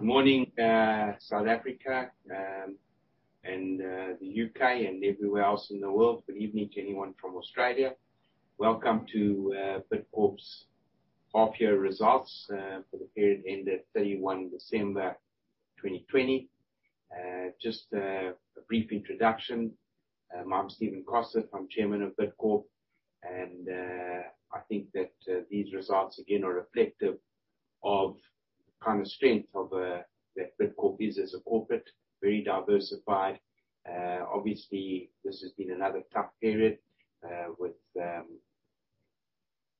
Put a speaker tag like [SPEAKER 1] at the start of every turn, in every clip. [SPEAKER 1] Good morning, South Africa, the U.K., and everywhere else in the world. Good evening to anyone from Australia. Welcome to Bidcorp's half year results for the period ended 31 December 2020. Just a brief introduction. I'm Stephen Koseff. I'm chairman of Bidcorp, and I think that these results, again, are reflective of the kind of strength that Bidcorp is as a corporate, very diversified. Obviously, this has been another tough period, with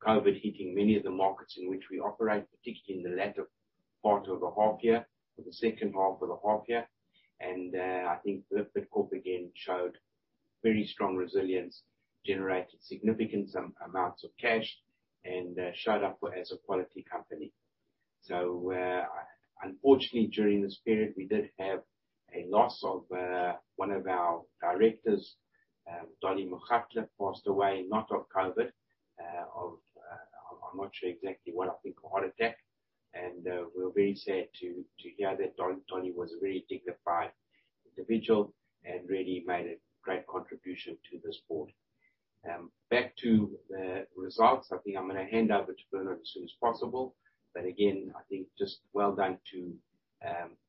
[SPEAKER 1] COVID hitting many of the markets in which we operate, particularly in the latter part of the half year, or the second half of the half year. I think that Bidcorp again showed very strong resilience, generated significant amounts of cash, and showed up as a quality company. Unfortunately, during this period, we did have a loss of one of our directors, Dolly Mokgatle, passed away, not of COVID. I'm not sure exactly what. I think a heart attack. We were very sad to hear that. Dolly was a very dignified individual and really made a great contribution to this board. Back to the results. I think I'm going to hand over to Bernard as soon as possible. Again, I think just well done to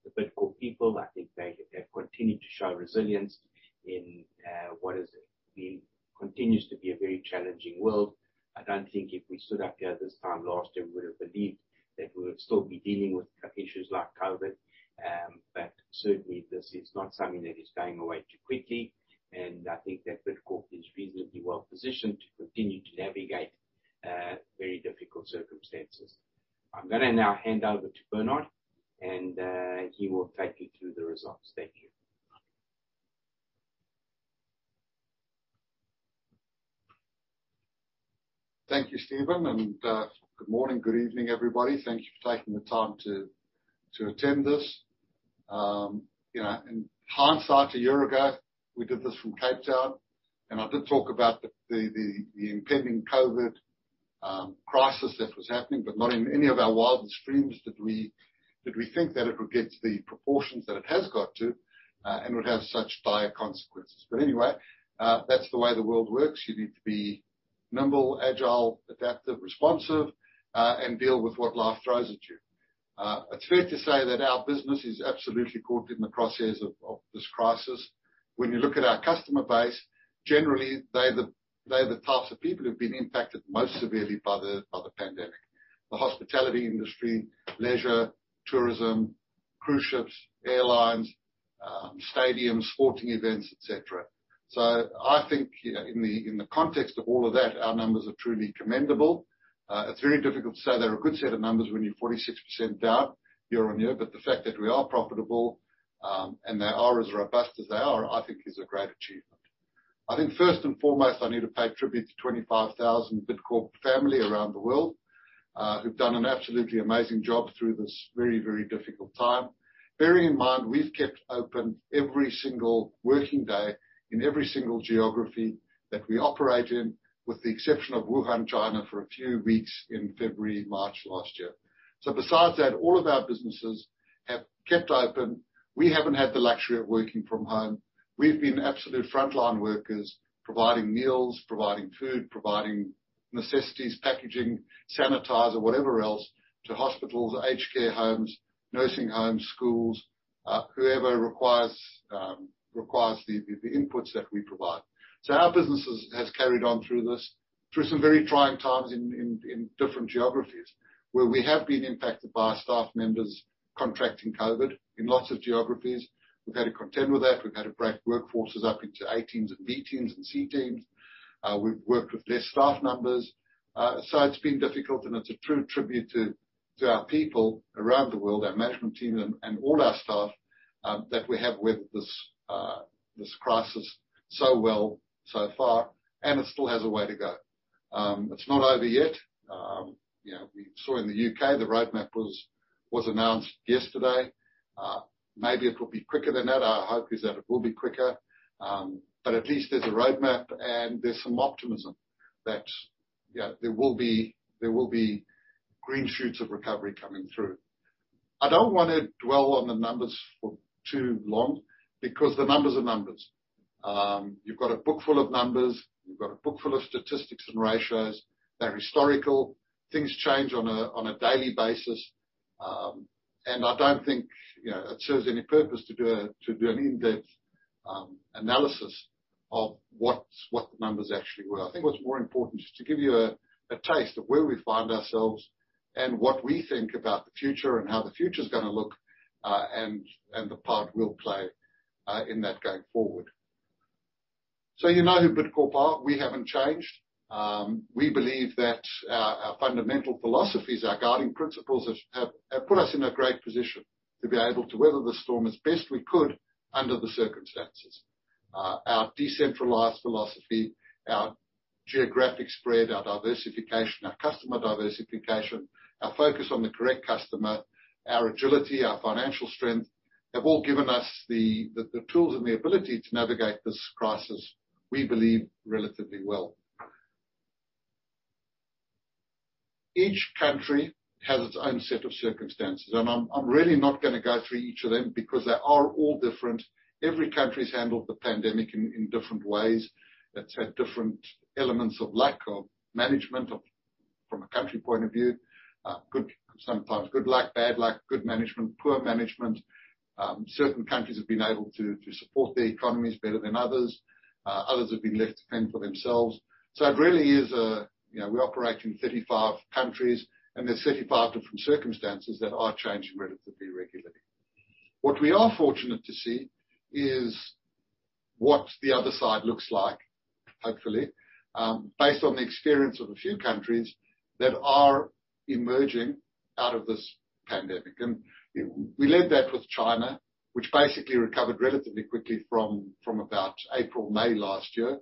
[SPEAKER 1] the Bidcorp people. I think they have continued to show resilience in what continues to be a very challenging world. I don't think if we stood up here this time last year, we would have believed that we would still be dealing with issues like COVID. Certainly, this is not something that is going away too quickly, and I think that Bidcorp is reasonably well-positioned to continue to navigate very difficult circumstances. I'm going to now hand over to Bernard, and he will take you through the results. Thank you.
[SPEAKER 2] Thank you, Stephen, and good morning, good evening, everybody. Thank you for taking the time to attend this. In hindsight, a year ago, we did this from Cape Town, and I did talk about the impending COVID crisis that was happening, but not in any of our wildest dreams did we think that it would get to the proportions that it has got to and would have such dire consequences. Anyway, that's the way the world works. You need to be nimble, agile, adaptive, responsive, and deal with what life throws at you. It's fair to say that our business is absolutely caught in the crosshairs of this crisis. When you look at our customer base, generally, they're the types of people who've been impacted most severely by the pandemic. The hospitality industry, leisure, tourism, cruise ships, airlines, stadiums, sporting events, et cetera. I think in the context of all of that, our numbers are truly commendable. It's very difficult to say they're a good set of numbers when you're 46% down year-on-year. The fact that we are profitable, and they are as robust as they are, I think is a great achievement. I think first and foremost, I need to pay tribute to 25,000 Bidcorp family around the world, who've done an absolutely amazing job through this very, very difficult time. Bearing in mind, we've kept open every single working day in every single geography that we operate in, with the exception of Wuhan, China, for a few weeks in February, March last year. Besides that, all of our businesses have kept open. We haven't had the luxury of working from home. We've been absolute frontline workers providing meals, providing food, providing necessities, packaging, sanitizer, whatever else to hospitals, aged care homes, nursing homes, schools, whoever requires the inputs that we provide. Our business has carried on through this, through some very trying times in different geographies, where we have been impacted by staff members contracting COVID in lots of geographies. We've had to contend with that. We've had to break workforces up into A teams and B teams and C teams. We've worked with less staff numbers. It's been difficult, and it's a true tribute to our people around the world, our management team, and all our staff, that we have weathered this crisis so well so far, and it still has a way to go. It's not over yet. We saw in the U.K., the roadmap was announced yesterday. Maybe it will be quicker than that. Our hope is that it will be quicker. At least there's a roadmap and there's some optimism that there will be green shoots of recovery coming through. I don't want to dwell on the numbers for too long because the numbers are numbers. You've got a book full of numbers. You've got a book full of statistics and ratios. They're historical. Things change on a daily basis, and I don't think it serves any purpose to do an in-depth analysis of what the numbers actually were. I think what's more important is to give you a taste of where we find ourselves and what we think about the future and how the future is going to look, and the part we'll play in that going forward. You know who Bidcorp are. We haven't changed. We believe that our fundamental philosophies, our guiding principles, have put us in a great position to be able to weather the storm as best we could under the circumstances. Our decentralized philosophy, our geographic spread, our diversification, our customer diversification, our focus on the correct customer, our agility, our financial strength, have all given us the tools and the ability to navigate this crisis, we believe, relatively well. Each country has its own set of circumstances, and I'm really not going to go through each of them because they are all different. Every country's handled the pandemic in different ways. It's had different elements of lack of management from a country point of view. Sometimes good luck, bad luck, good management, poor management. Certain countries have been able to support their economies better than others. Others have been left to fend for themselves. We operate in 35 countries, and there's 35 different circumstances that are changing relatively regularly. What we are fortunate to see is what the other side looks like, hopefully, based on the experience of a few countries that are emerging out of this pandemic. We led that with China, which basically recovered relatively quickly from about April, May last year.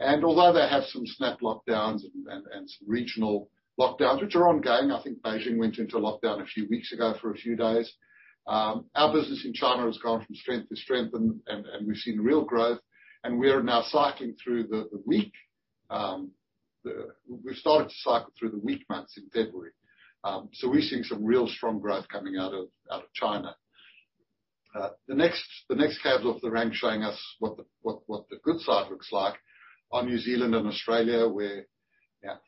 [SPEAKER 2] Although they have some snap lockdowns and some regional lockdowns, which are ongoing, I think Beijing went into a lockdown a few weeks ago for a few days. Our business in China has gone from strength to strength, and we've seen real growth, and we are now cycling through the weak. We started to cycle through the weak months in February. We're seeing some real strong growth coming out of China. The next cab off the rank showing us what the good side looks like are New Zealand and Australia, where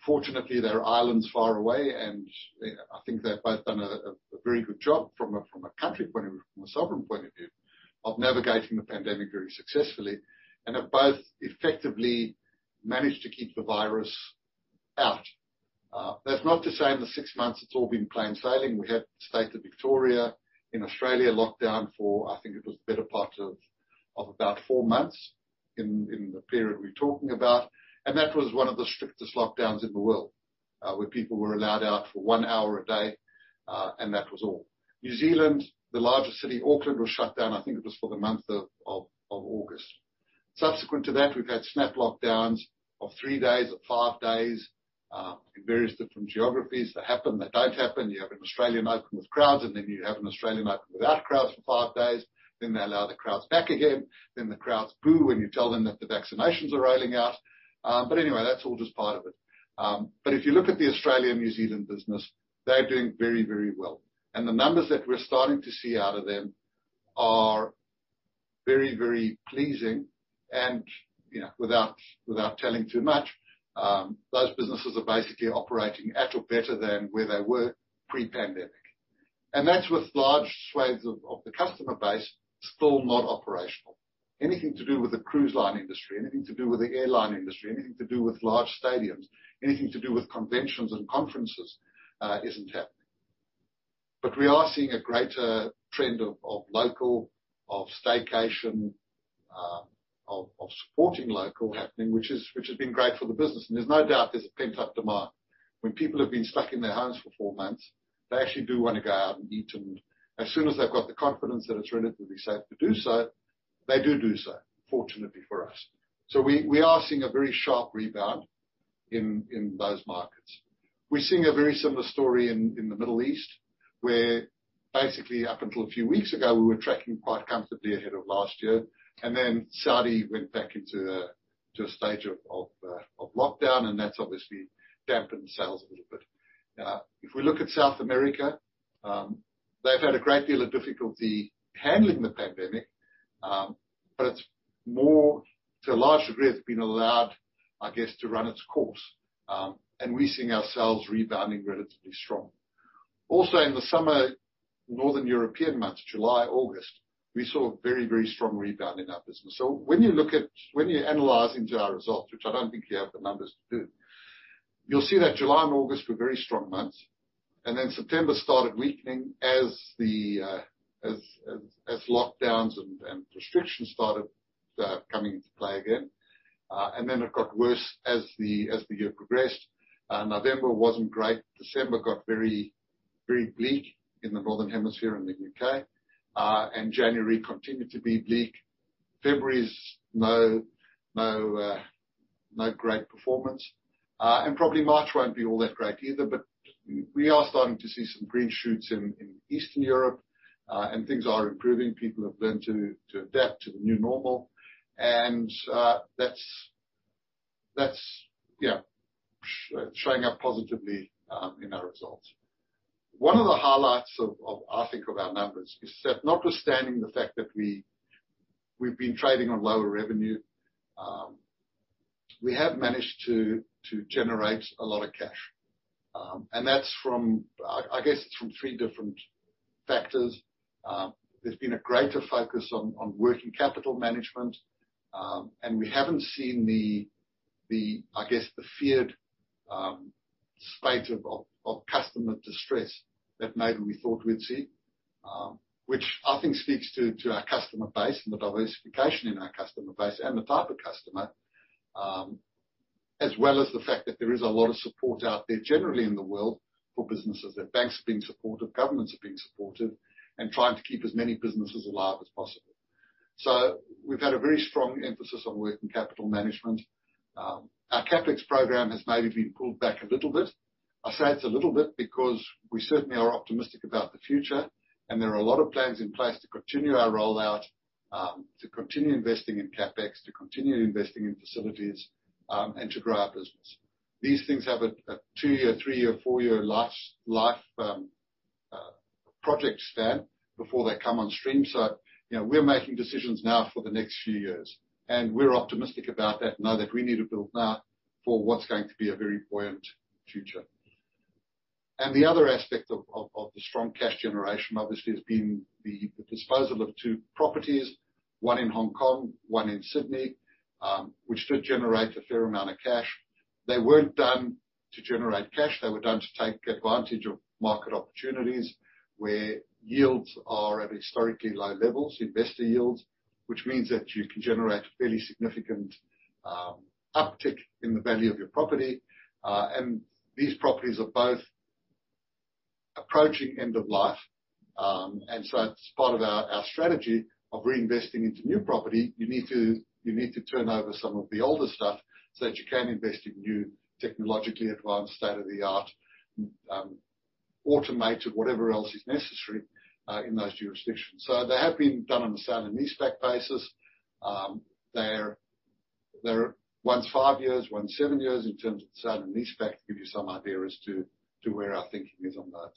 [SPEAKER 2] fortunately, they are islands far away, and I think they've both done a very good job from a country point of view, from a sovereign point of view, of navigating the pandemic very successfully, and have both effectively managed to keep the virus out. That's not to say in the six months it's all been plain sailing. We had the state of Victoria in Australia locked down for, I think it was the better part of about four months in the period we're talking about. That was one of the strictest lockdowns in the world, where people were allowed out for one hour a day, and that was all. New Zealand, the largest city, Auckland, was shut down, I think it was for the month of August. Subsequent to that, we've had snap lockdowns of three days or five days in various different geographies that happen, that don't happen. You have an Australian Open with crowds, and then you have an Australian Open without crowds for five days. They allow the crowds back again. The crowds boo when you tell them that the vaccinations are rolling out. Anyway, that's all just part of it. If you look at the Australia-New Zealand business, they're doing very, very well. The numbers that we're starting to see out of them are very, very pleasing. Without telling too much, those businesses are basically operating at or better than where they were pre-pandemic. That's with large swathes of the customer base still not operational. Anything to do with the cruise line industry, anything to do with the airline industry, anything to do with large stadiums, anything to do with conventions and conferences isn't happening. We are seeing a greater trend of local, of staycation, of supporting local happening, which has been great for the business. There's no doubt there's a pent-up demand. When people have been stuck in their homes for four months, they actually do want to go out and eat. As soon as they've got the confidence that it's relatively safe to do so, they do so, fortunately for us. We are seeing a very sharp rebound in those markets. We're seeing a very similar story in the Middle East, where basically up until a few weeks ago, we were tracking quite comfortably ahead of last year. Saudi went back into a stage of lockdown, and that's obviously dampened sales a little bit. We look at South America, they've had a great deal of difficulty handling the pandemic. To a large degree it's been allowed, I guess, to run its course. We're seeing ourselves rebounding relatively strong. Also in the summer, northern European months, July, August, we saw a very, very strong rebound in our business. When you're analyzing our results, which I don't think you have the numbers to do, you'll see that July and August were very strong months. September started weakening as lockdowns and restrictions started coming into play again. It got worse as the year progressed. November wasn't great. December got very bleak in the Northern Hemisphere and the U.K. January continued to be bleak. February is no great performance. Probably March won't be all that great either. We are starting to see some green shoots in Eastern Europe, and things are improving. People have learned to adapt to the new normal. That's showing up positively in our results. One of the highlights, I think, of our numbers is that notwithstanding the fact that we've been trading on lower revenue, we have managed to generate a lot of cash. I guess it's from three different factors. There's been a greater focus on working capital management, and we haven't seen, I guess, the feared spate of customer distress that maybe we thought we'd see, which I think speaks to our customer base and the diversification in our customer base and the type of customer, as well as the fact that there is a lot of support out there generally in the world for businesses. The banks are being supportive, governments are being supportive and trying to keep as many businesses alive as possible. We've had a very strong emphasis on working capital management. Our CapEx program has maybe been pulled back a little bit. I say it's a little bit because we certainly are optimistic about the future, and there are a lot of plans in place to continue our rollout, to continue investing in CapEx, to continue investing in facilities, and to grow our business. These things have a 2-year, 3-year, 4-year life project span before they come on stream. We're making decisions now for the next few years, and we're optimistic about that, know that we need to build now for what's going to be a very buoyant future. The other aspect of the strong cash generation, obviously, has been the disposal of two properties, one in Hong Kong, one in Sydney, which did generate a fair amount of cash. They weren't done to generate cash. They were done to take advantage of market opportunities where yields are at historically low levels, investor yields, which means that you can generate a fairly significant uptick in the value of your property. These properties are both approaching end of life. As part of our strategy of reinvesting into new property, you need to turn over some of the older stuff so that you can invest in new technologically advanced state-of-the-art, automated, whatever else is necessary, in those jurisdictions. They have been done on a sale and leaseback basis. One's five years, one's seven years in terms of sale and leaseback, to give you some idea as to where our thinking is on that.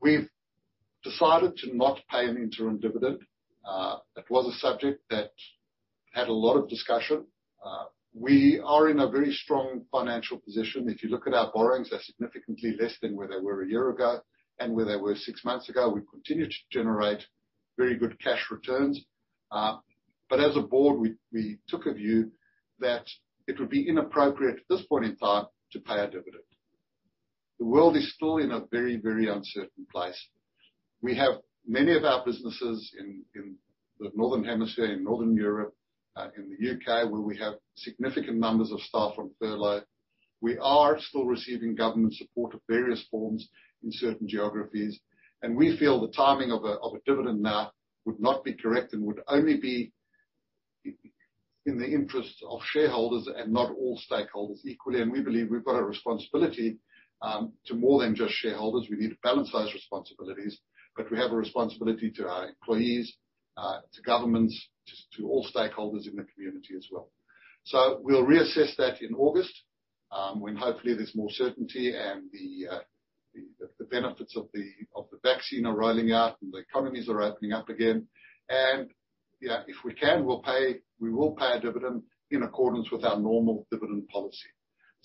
[SPEAKER 2] We've decided to not pay an interim dividend. It was a subject that had a lot of discussion. We are in a very strong financial position. If you look at our borrowings, they're significantly less than where they were a year ago and where they were six months ago. We continue to generate very good cash returns. As a board, we took a view that it would be inappropriate at this point in time to pay a dividend. The world is still in a very uncertain place. We have many of our businesses in the Northern Hemisphere, in Northern Europe, in the U.K., where we have significant numbers of staff on furlough. We are still receiving government support of various forms in certain geographies, we feel the timing of a dividend now would not be correct and would only be in the interests of shareholders and not all stakeholders equally. We believe we've got a responsibility to more than just shareholders. We need to balance those responsibilities, but we have a responsibility to our employees, to governments, to all stakeholders in the community as well. We'll reassess that in August, when hopefully there's more certainty and the benefits of the vaccine are rolling out and the economies are opening up again. If we can, we will pay a dividend in accordance with our normal dividend policy.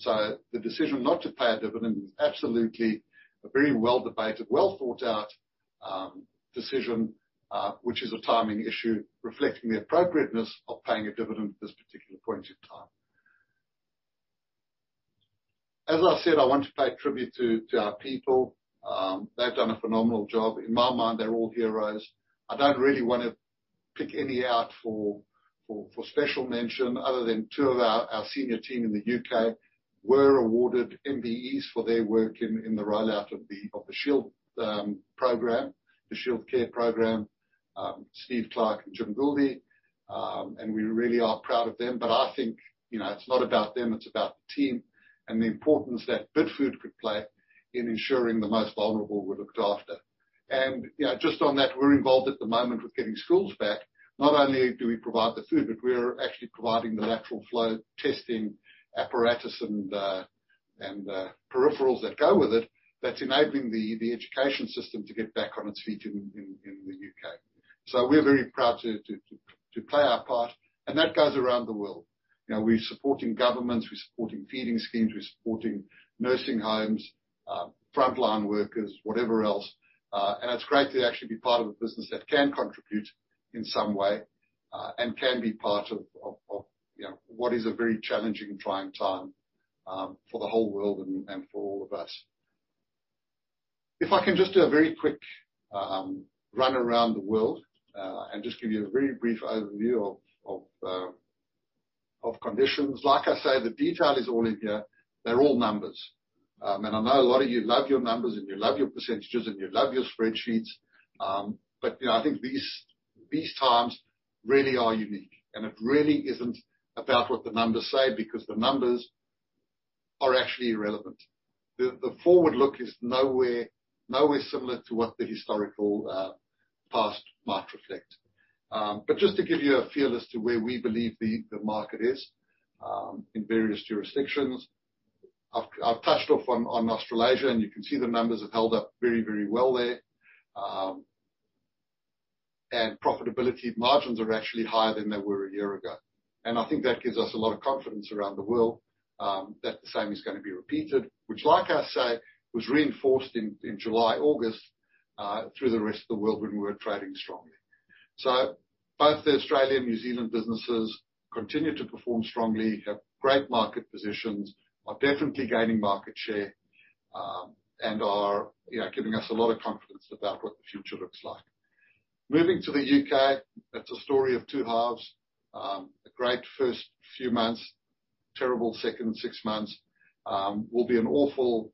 [SPEAKER 2] The decision not to pay a dividend is absolutely a very well-debated, well-thought-out decision, which is a timing issue reflecting the appropriateness of paying a dividend at this particular point in time. As I said, I want to pay tribute to our people. They've done a phenomenal job. In my mind, they're all heroes. I don't really want to pick any out for special mention other than two of our senior team in the U.K. were awarded MBEs for their work in the rollout of the Shield Care program, Steve Clarke and Jim Gouldie, and we really are proud of them. I think it's not about them, it's about the team and the importance that Bidfood could play in ensuring the most vulnerable were looked after. Just on that, we're involved at the moment with getting schools back. Not only do we provide the food, we are actually providing the lateral flow testing apparatus and peripherals that go with it that's enabling the education system to get back on its feet in the U.K. We are very proud to play our part, and that goes around the world. We're supporting governments, we're supporting feeding schemes, we're supporting nursing homes, frontline workers, whatever else. It's great to actually be part of a business that can contribute in some way and can be part of what is a very challenging and trying time for the whole world and for all of us. If I can just do a very quick run around the world and just give you a very brief overview of conditions. Like I say, the detail is all in here. They're all numbers. I know a lot of you love your numbers and you love your percentages and you love your spreadsheets. I think these times really are unique and it really isn't about what the numbers say because the numbers are actually irrelevant. The forward look is nowhere similar to what the historical past might reflect. Just to give you a feel as to where we believe the market is in various jurisdictions. I've touched off on Australasia, and you can see the numbers have held up very well there. Profitability margins are actually higher than they were a year ago. I think that gives us a lot of confidence around the world that the same is going to be repeated. Which like I say, was reinforced in July, August, through the rest of the world when we were trading strongly. Both the Australia and New Zealand businesses continue to perform strongly, have great market positions, are definitely gaining market share, and are giving us a lot of confidence about what the future looks like. Moving to the U.K., it's a story of two halves. A great first few months, terrible second six months. Will be an awful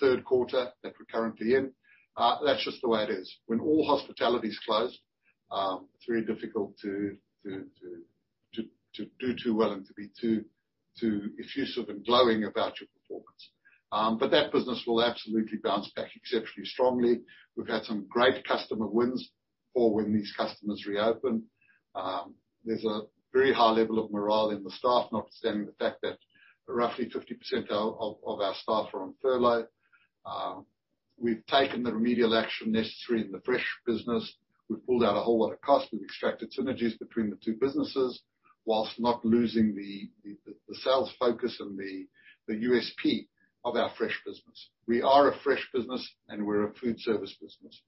[SPEAKER 2] third quarter that we're currently in. That's just the way it is. When all hospitality is closed, it's very difficult to do too well and to be too effusive and glowing about your performance. That business will absolutely bounce back exceptionally strongly. We've had some great customer wins for when these customers reopen. There's a very high level of morale in the staff, notwithstanding the fact that roughly 50% of our staff are on furlough. We've taken the remedial action necessary in the fresh business. We've pulled out a whole lot of cost. We've extracted synergies between the two businesses whilst not losing the sales focus and the USP of our fresh business. We are a fresh business and we're a food service business.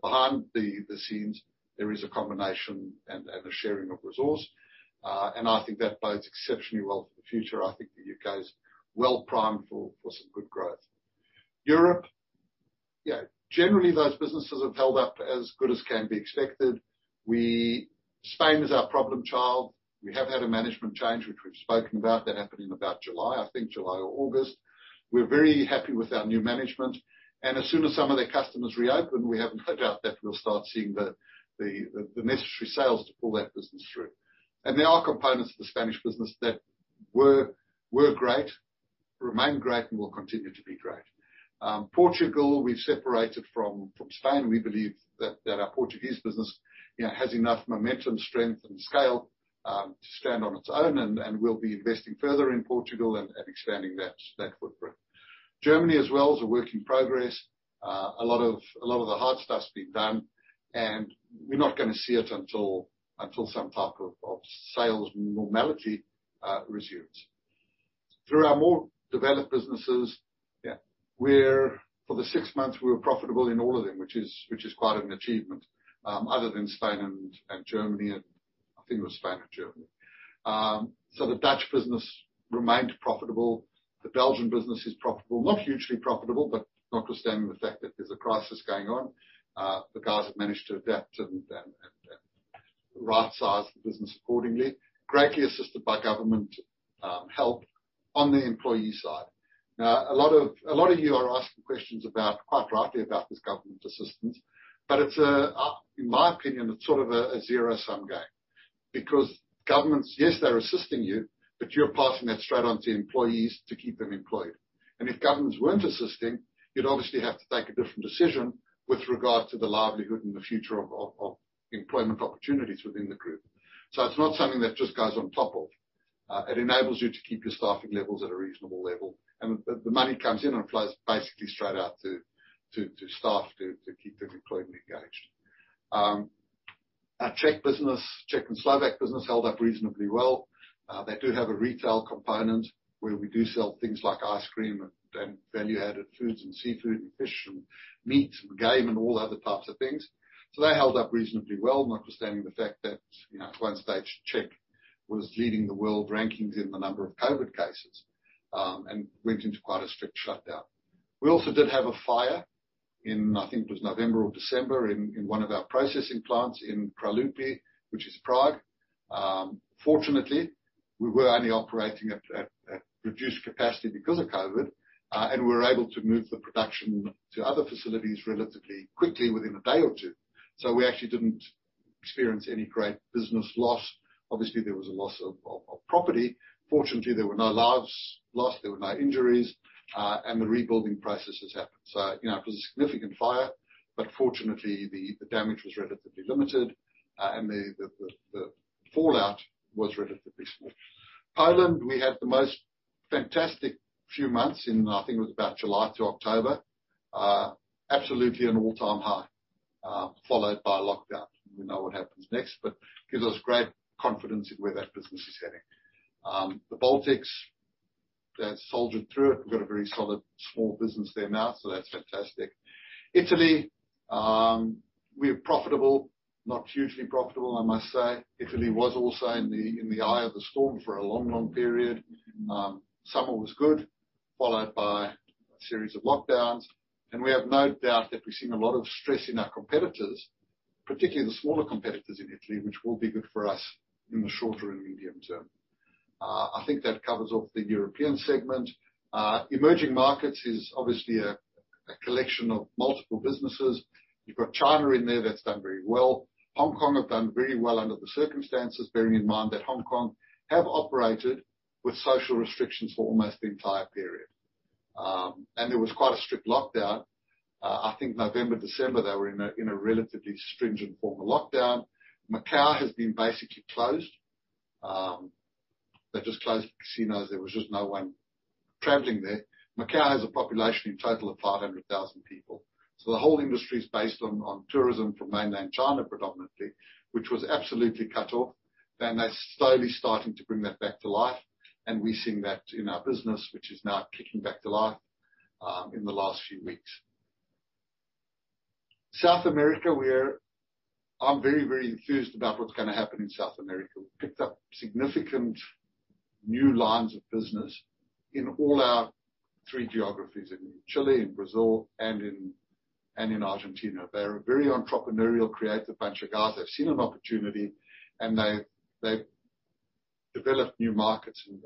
[SPEAKER 2] Behind the scenes, there is a combination and a sharing of resource. I think that bodes exceptionally well for the future. I think the U.K. is well primed for some good growth. Europe. Yeah. Generally, those businesses have held up as good as can be expected. Spain is our problem child. We have had a management change, which we've spoken about. That happened in about July, I think July or August. We're very happy with our new management, and as soon as some of their customers reopen, we have no doubt that we'll start seeing the necessary sales to pull that business through. There are components of the Spanish business that were great, remain great, and will continue to be great. Portugal, we've separated from Spain. We believe that our Portuguese business has enough momentum, strength, and scale to stand on its own, and we'll be investing further in Portugal and expanding that footprint. Germany as well is a work in progress. A lot of the hard stuff's been done, and we're not gonna see it until some type of sales normality resumes. Through our more developed businesses, for the six months, we were profitable in all of them, which is quite an achievement, other than Spain and Germany. I think it was Spain and Germany. The Dutch business remained profitable. The Belgian business is profitable. Not hugely profitable, but notwithstanding the fact that there's a crisis going on. The guys have managed to adapt and right-size the business accordingly, greatly assisted by government help on the employee side. A lot of you are asking questions quite rightly about this government assistance, but in my opinion, it's sort of a zero-sum game. Governments, yes, they're assisting you, but you're passing that straight on to employees to keep them employed. If governments weren't assisting, you'd obviously have to take a different decision with regards to the livelihood and the future of employment opportunities within the group. It's not something that just goes on top of. It enables you to keep your staffing levels at a reasonable level, and the money comes in and flows basically straight out to staff to keep them employed and engaged. Our Czech business, Czech and Slovak business, held up reasonably well. They do have a retail component where we do sell things like ice cream and value-added foods and seafood and fish and meat and game and all other types of things. They held up reasonably well, notwithstanding the fact that at one stage, Czech was leading the world rankings in the number of COVID cases. Went into quite a strict shutdown. We also did have a fire in, I think it was November or December, in one of our processing plants in Kralupy, which is Prague. Fortunately, we were only operating at reduced capacity because of COVID, and we were able to move the production to other facilities relatively quickly within a day or two. We actually didn't experience any great business loss. Obviously, there was a loss of property. Fortunately, there were no lives lost, there were no injuries, and the rebuilding process has happened. It was a significant fire, but fortunately, the damage was relatively limited and the fallout was relatively small. Poland, we had the most fantastic few months in, I think it was about July to October. Absolutely an all-time high, followed by a lockdown. We know what happens next, but gives us great confidence in where that business is heading. The Baltics, they've soldiered through it. We've got a very solid small business there now, so that's fantastic. Italy, we're profitable. Not hugely profitable, I must say. Italy was also in the eye of the storm for a long, long period. Summer was good, followed by a series of lockdowns. We have no doubt that we're seeing a lot of stress in our competitors, particularly the smaller competitors in Italy, which will be good for us in the shorter and medium term. I think that covers off the European segment. Emerging markets is obviously a collection of multiple businesses. You've got China in there. That's done very well. Hong Kong have done very well under the circumstances, bearing in mind that Hong Kong have operated with social restrictions for almost the entire period. There was quite a strict lockdown. I think November, December, they were in a relatively stringent form of lockdown. Macau has been basically closed. They've just closed the casinos. There was just no one traveling there. Macau has a population in total of 500,000 people. The whole industry is based on tourism from mainland China predominantly, which was absolutely cut off. They're slowly starting to bring that back to life. We're seeing that in our business, which is now kicking back to life in the last few weeks. South America. I'm very, very enthused about what's gonna happen in South America. We picked up significant new lines of business in all our three geographies, in Chile, in Brazil, and in Argentina. They're a very entrepreneurial, creative bunch of guys. They've seen an opportunity and they've developed new markets and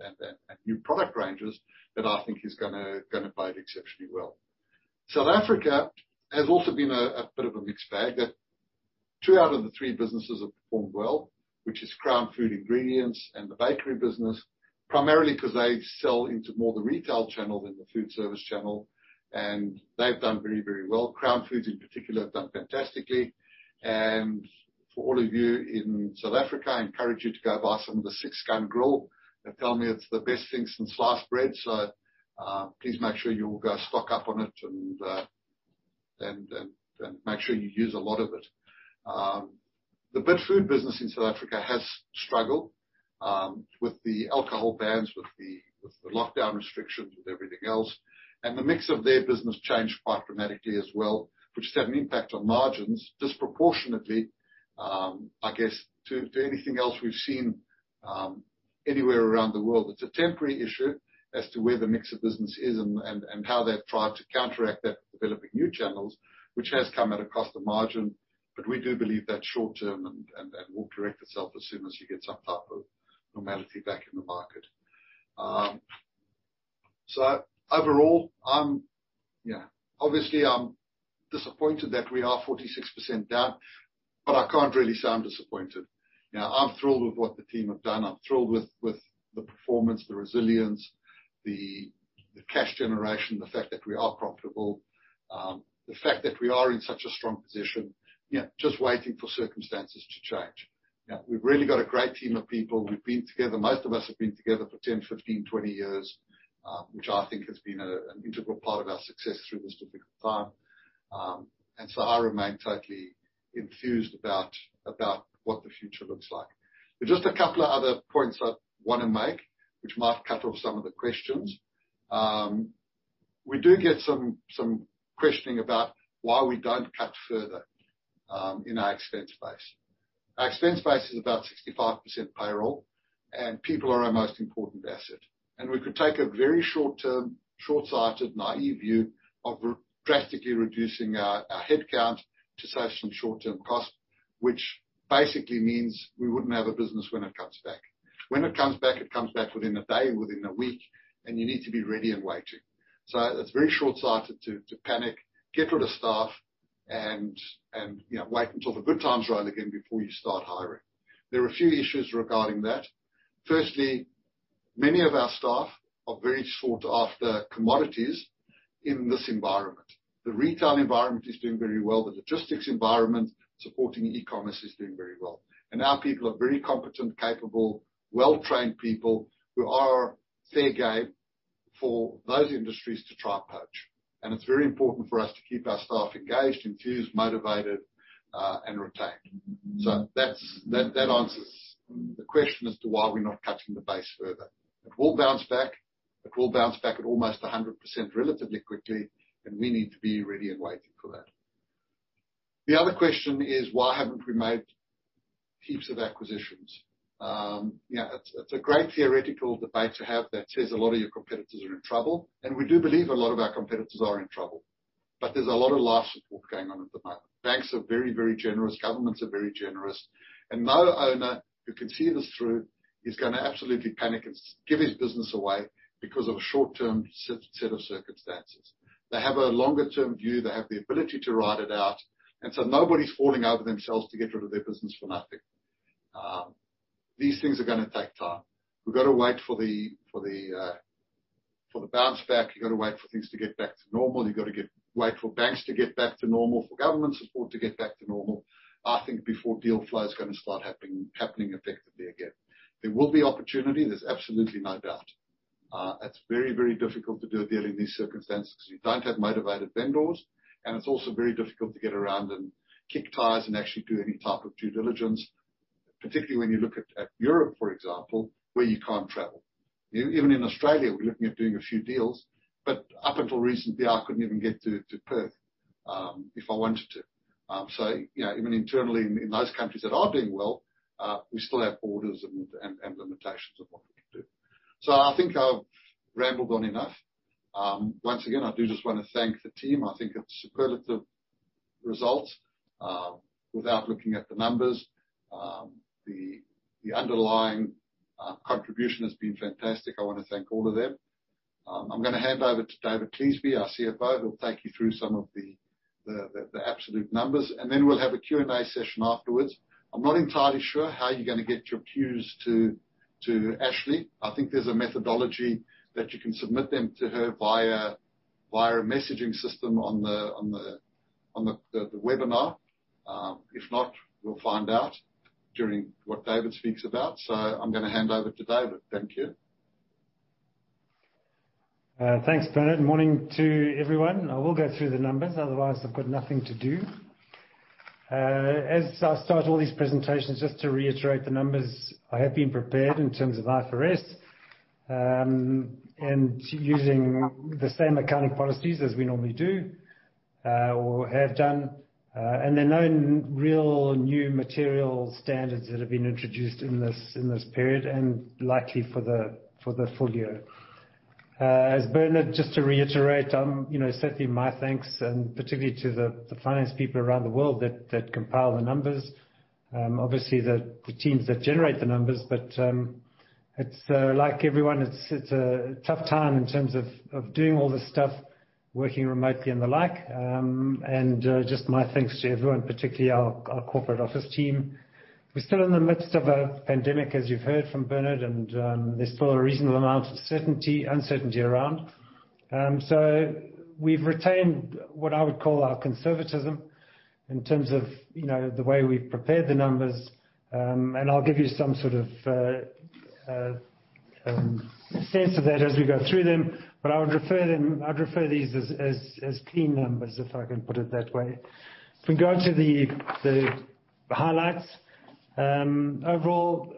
[SPEAKER 2] new product ranges that I think is gonna bode exceptionally well. South Africa has also been a bit of a mixed bag. Two out of the three businesses have performed well, which is Crown Food Group and the bakery business, primarily because they sell into more the retail channel than the foodservice channel. They've done very, very well. Crown Foods, in particular, have done fantastically. For all of you in South Africa, I encourage you to go buy some of the Six Gun Grill. They tell me it's the best thing since sliced bread. Please make sure you all go stock up on it, and then make sure you use a lot of it. The Bidfood business in South Africa has struggled with the alcohol bans, with the lockdown restrictions, with everything else. The mix of their business changed quite dramatically as well, which has had an impact on margins disproportionately, I guess, to anything else we've seen anywhere around the world. It's a temporary issue as to where the mix of business is and how they've tried to counteract that, developing new channels, which has come at a cost of margin. We do believe that's short-term and will correct itself as soon as you get some type of normality back in the market. Overall, obviously, I'm disappointed that we are 46% down, but I can't really say I'm disappointed. I'm thrilled with what the team have done. I'm thrilled with the performance, the resilience, the cash generation, the fact that we are profitable. The fact that we are in such a strong position, just waiting for circumstances to change. We've really got a great team of people. Most of us have been together for 10, 15, 20 years, which I think has been an integral part of our success through this difficult time. I remain totally enthused about what the future looks like. Just a couple of other points I want to make, which might cut off some of the questions. We do get some questioning about why we don't cut further in our expense base. Our expense base is about 65% payroll, and people are our most important asset. We could take a very short-term, short-sighted, naive view of drastically reducing our headcount to save some short-term cost, which basically means we wouldn't have a business when it comes back. When it comes back, it comes back within a day, within a week, and you need to be ready and waiting. That's very short-sighted to panic, get rid of staff and wait until the good times roll again before you start hiring. There are a few issues regarding that. Firstly, many of our staff are very sought-after commodities in this environment. The retail environment is doing very well. The logistics environment supporting e-commerce is doing very well. Our people are very competent, capable, well-trained people who are fair game for those industries to try and poach. It's very important for us to keep our staff engaged, enthused, motivated, and retained. That answers the question as to why we're not cutting the base further. It will bounce back. It will bounce back at almost 100% relatively quickly, and we need to be ready and waiting for that. The other question is: Why haven't we made heaps of acquisitions? It's a great theoretical debate to have that says a lot of your competitors are in trouble, and we do believe a lot of our competitors are in trouble, but there's a lot of life support going on at the moment. Banks are very, very generous, governments are very generous, and no owner who can see this through is gonna absolutely panic and give his business away because of a short-term set of circumstances. They have a longer-term view. They have the ability to ride it out, nobody's falling over themselves to get rid of their business for nothing. These things are gonna take time. We've got to wait for the bounce back. You've got to wait for things to get back to normal. You've got to wait for banks to get back to normal, for government support to get back to normal, I think, before deal flow is gonna start happening effectively again. There will be opportunity, there's absolutely no doubt. It's very, very difficult to do a deal in these circumstances because you don't have motivated vendors, and it's also very difficult to get around and kick tires and actually do any type of due diligence, particularly when you look at Europe, for example, where you can't travel. Even in Australia, we're looking at doing a few deals, but up until recently, I couldn't even get to Perth if I wanted to. Even internally in those countries that are doing well, we still have borders and limitations of what we can do. I think I've rambled on enough. Once again, I do just want to thank the team. I think it's superlative results. Without looking at the numbers, the underlying contribution has been fantastic. I want to thank all of them. I'm gonna hand over to David Cleasby, our CFO, who'll take you through some of the absolute numbers, and then we'll have a Q&A session afterwards. I'm not entirely sure how you're gonna get your Qs to Ashley. I think there's a methodology that you can submit them to her via a messaging system on the webinar. If not, we'll find out during what David speaks about. I'm gonna hand over to David. Thank you.
[SPEAKER 3] Thanks, Bernard. Morning to everyone. I will go through the numbers. Otherwise, I've got nothing to do. As I start all these presentations, just to reiterate the numbers, I have been prepared in terms of IFRS, and using the same accounting policies as we normally do or have done. There are no real new material standards that have been introduced in this period and likely for the full year. Bernard, just to reiterate, certainly my thanks, and particularly to the finance people around the world that compile the numbers. Obviously, the teams that generate the numbers, but it's like everyone, it's a tough time in terms of doing all this stuff, working remotely and the like. Just my thanks to everyone, particularly our corporate office team. We're still in the midst of a pandemic, as you've heard from Bernard, and there's still a reasonable amount of uncertainty around. We've retained what I would call our conservatism in terms of the way we've prepared the numbers. I'll give you some sort of sense of that as we go through them, but I would refer these as clean numbers, if I can put it that way. If we go to the highlights. Overall,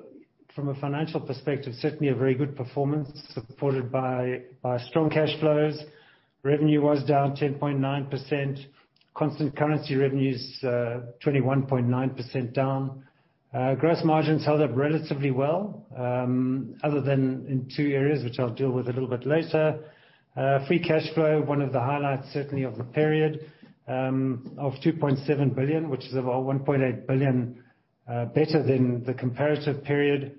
[SPEAKER 3] from a financial perspective, certainly a very good performance supported by strong cash flows. Revenue was down 10.9%. Constant currency revenues, 21.9% down. Gross margins held up relatively well, other than in two areas, which I'll deal with a little bit later. Free cash flow, one of the highlights, certainly of the period, of 2.7 billion, which is about 1.8 billion, better than the comparative period.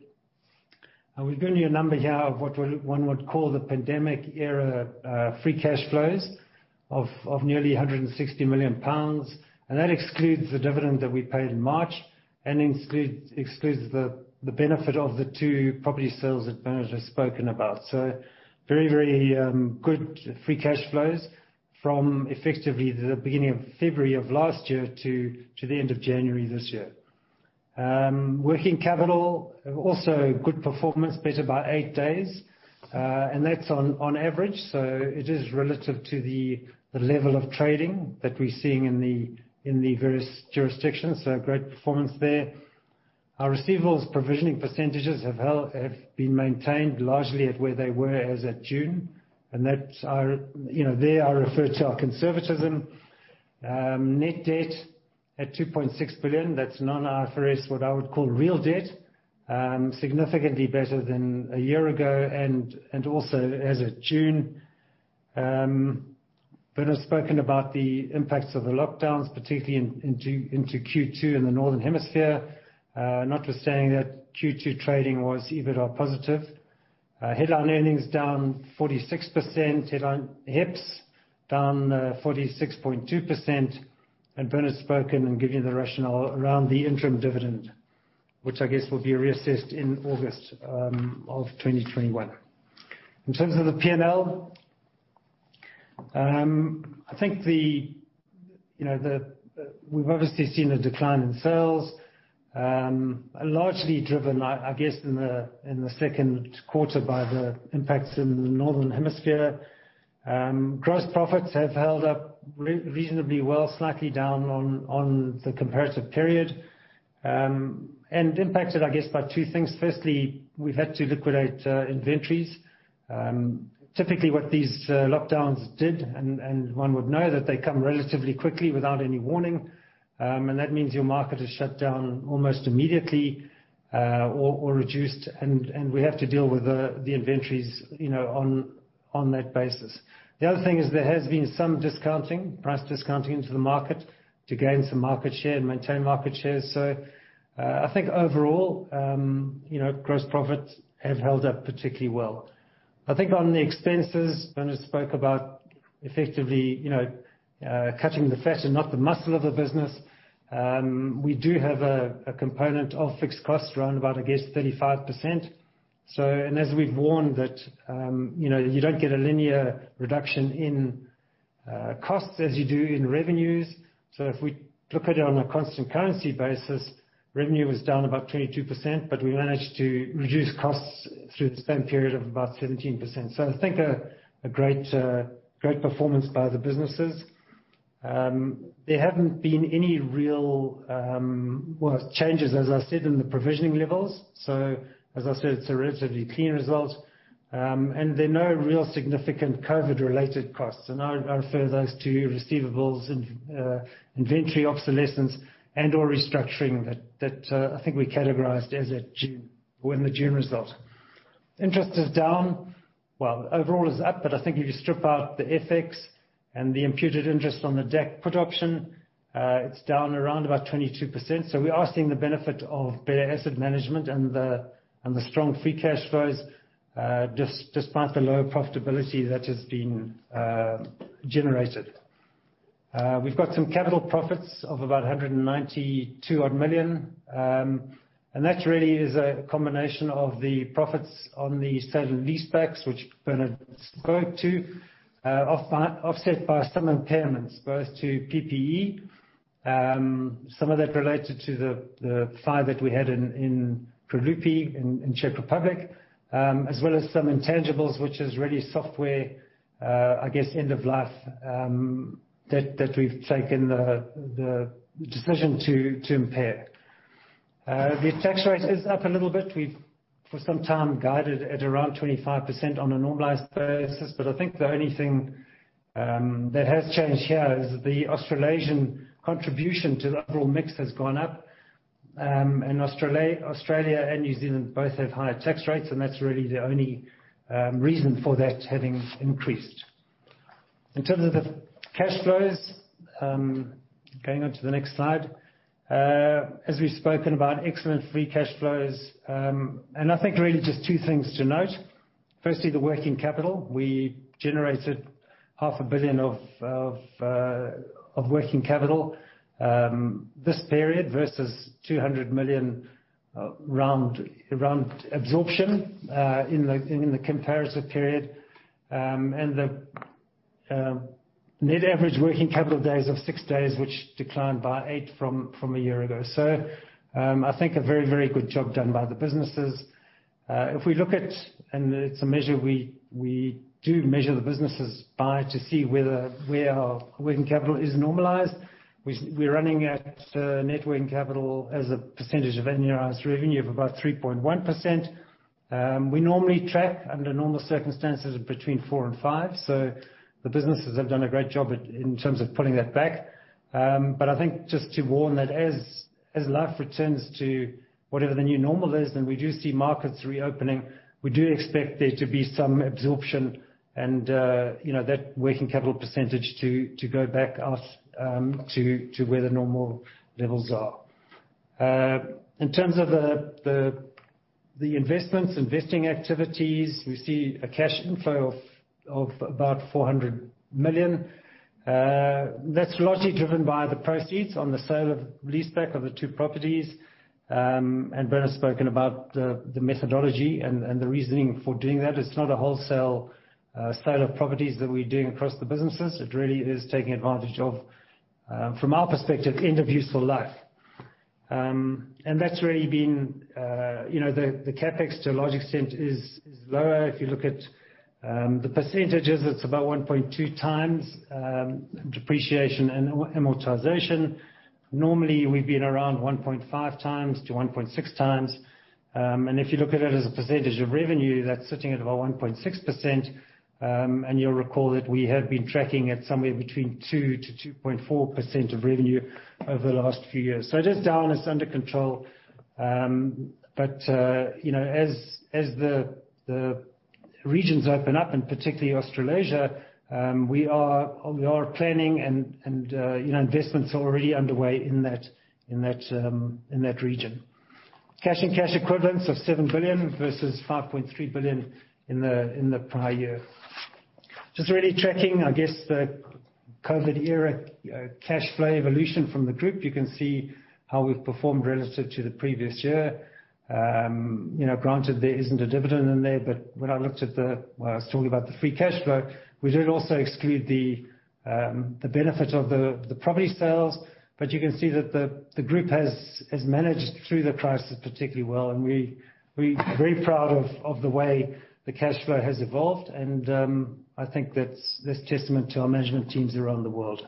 [SPEAKER 3] We've given you a number here of what one would call the pandemic era free cash flows of nearly 160 million pounds. That excludes the dividend that we paid in March and excludes the benefit of the two property sales that Bernard has spoken about. Very good free cash flows from effectively the beginning of February of last year to the end of January this year. Working capital, also good performance, better by eight days. That's on average, so it is relative to the level of trading that we're seeing in the various jurisdictions. Great performance there. Our receivables provisioning percentages have been maintained largely at where they were as at June, and there I refer to our conservatism. Net debt at 2.6 billion. That's non-IFRS, what I would call real debt. Significantly better than a year ago and also as of June. Bernard's spoken about the impacts of the lockdowns, particularly into Q2 in the Northern Hemisphere. Notwithstanding that Q2 trading was EBITA positive. Headline earnings down 46%, headline EPS down 46.2%. Bernard's spoken and given you the rationale around the interim dividend, which I guess will be reassessed in August of 2021. In terms of the P&L, I think we've obviously seen a decline in sales. Largely driven, I guess, in the second quarter by the impacts in the Northern Hemisphere. Gross profits have held up reasonably well, slightly down on the comparative period, and impacted, I guess, by two things. Firstly, we've had to liquidate inventories. Typically, what these lockdowns did, and one would know that they come relatively quickly without any warning. That means your market is shut down almost immediately or reduced, and we have to deal with the inventories on that basis. The other thing is there has been some discounting, price discounting into the market to gain some market share and maintain market share. I think overall, gross profits have held up particularly well. I think on the expenses, Bernard spoke about effectively cutting the fat and not the muscle of a business. We do have a component of fixed costs around about, I guess, 35%. As we've warned that you don't get a linear reduction in costs as you do in revenues. If we look at it on a constant currency basis, revenue was down about 22%, but we managed to reduce costs through the same period of about 17%. I think a great performance by the businesses. There haven't been any real changes, as I said, in the provisioning levels. As I said, it's a relatively clean result. There are no real significant COVID-related costs, and I refer those to receivables, inventory obsolescence, and/or restructuring that I think we categorized when the June result. Interest is down. Well, overall it's up, but I think if you strip out the FX and the imputed interest on the DAC put option, it's down around about 22%. We are seeing the benefit of better asset management and the strong free cash flows, despite the lower profitability that has been generated. We've got some capital profits of about 192 odd million. That really is a combination of the profits on the sale and lease backs, which Bernard spoke to, offset by some impairments, both to PPE. Some of that related to the fire that we had in Kralupy in Czech Republic, as well as some intangibles, which is really software, I guess end of life, that we've taken the decision to impair. The tax rate is up a little bit. We've, for some time, guided at around 25% on a normalized basis. I think the only thing that has changed here is the Australasian contribution to the overall mix has gone up. Australia and New Zealand both have higher tax rates, and that's really the only reason for that having increased. In terms of the cash flows, going on to the next slide. As we've spoken about, excellent free cash flows. I think really just two things to note. Firstly, the working capital. We generated half a billion of working capital this period versus 200 million absorption in the comparison period. The net average working capital days of six days, which declined by eight from a year ago. I think a very, very good job done by the businesses. If we look at, and it's a measure we do measure the businesses by to see where our working capital is normalized, we're running at net working capital as a percentage of annualized revenue of about 3.1%. We normally track under normal circumstances between 4% and 5%. The businesses have done a great job in terms of pulling that back. I think just to warn that as life returns to whatever the new normal is, and we do see markets reopening, we do expect there to be some absorption and that working capital percentage to go back up to where the normal levels are. In terms of the investments, investing activities, we see a cash inflow of about 400 million. That's largely driven by the proceeds on the sale of leaseback of the two properties. Bernard's spoken about the methodology and the reasoning for doing that. It's not a wholesale sale of properties that we're doing across the businesses. It really is taking advantage of, from our perspective, end of useful life. That's really been the CapEx to a large extent is lower. If you look at the percentages, it's about 1.2x depreciation and amortization. Normally, we've been around 1.5x-1.6x. If you look at it as a percentage of revenue, that's sitting at about 1.6%. You'll recall that we have been tracking at somewhere between 2%-2.4% of revenue over the last few years. It is down, it's under control. As the regions open up, and particularly Australasia, we are planning and investments are already underway in that region. Cash and cash equivalents of 7 billion versus 5.3 billion in the prior year. Just really tracking, I guess, the COVID era cash flow evolution from the group. You can see how we've performed relative to the previous year. Granted, there isn't a dividend in there, but when I was talking about the free cash flow, we did also exclude the benefit of the property sales. You can see that the group has managed through the crisis particularly well, and we're very proud of the way the cash flow has evolved. I think that's testament to our management teams around the world.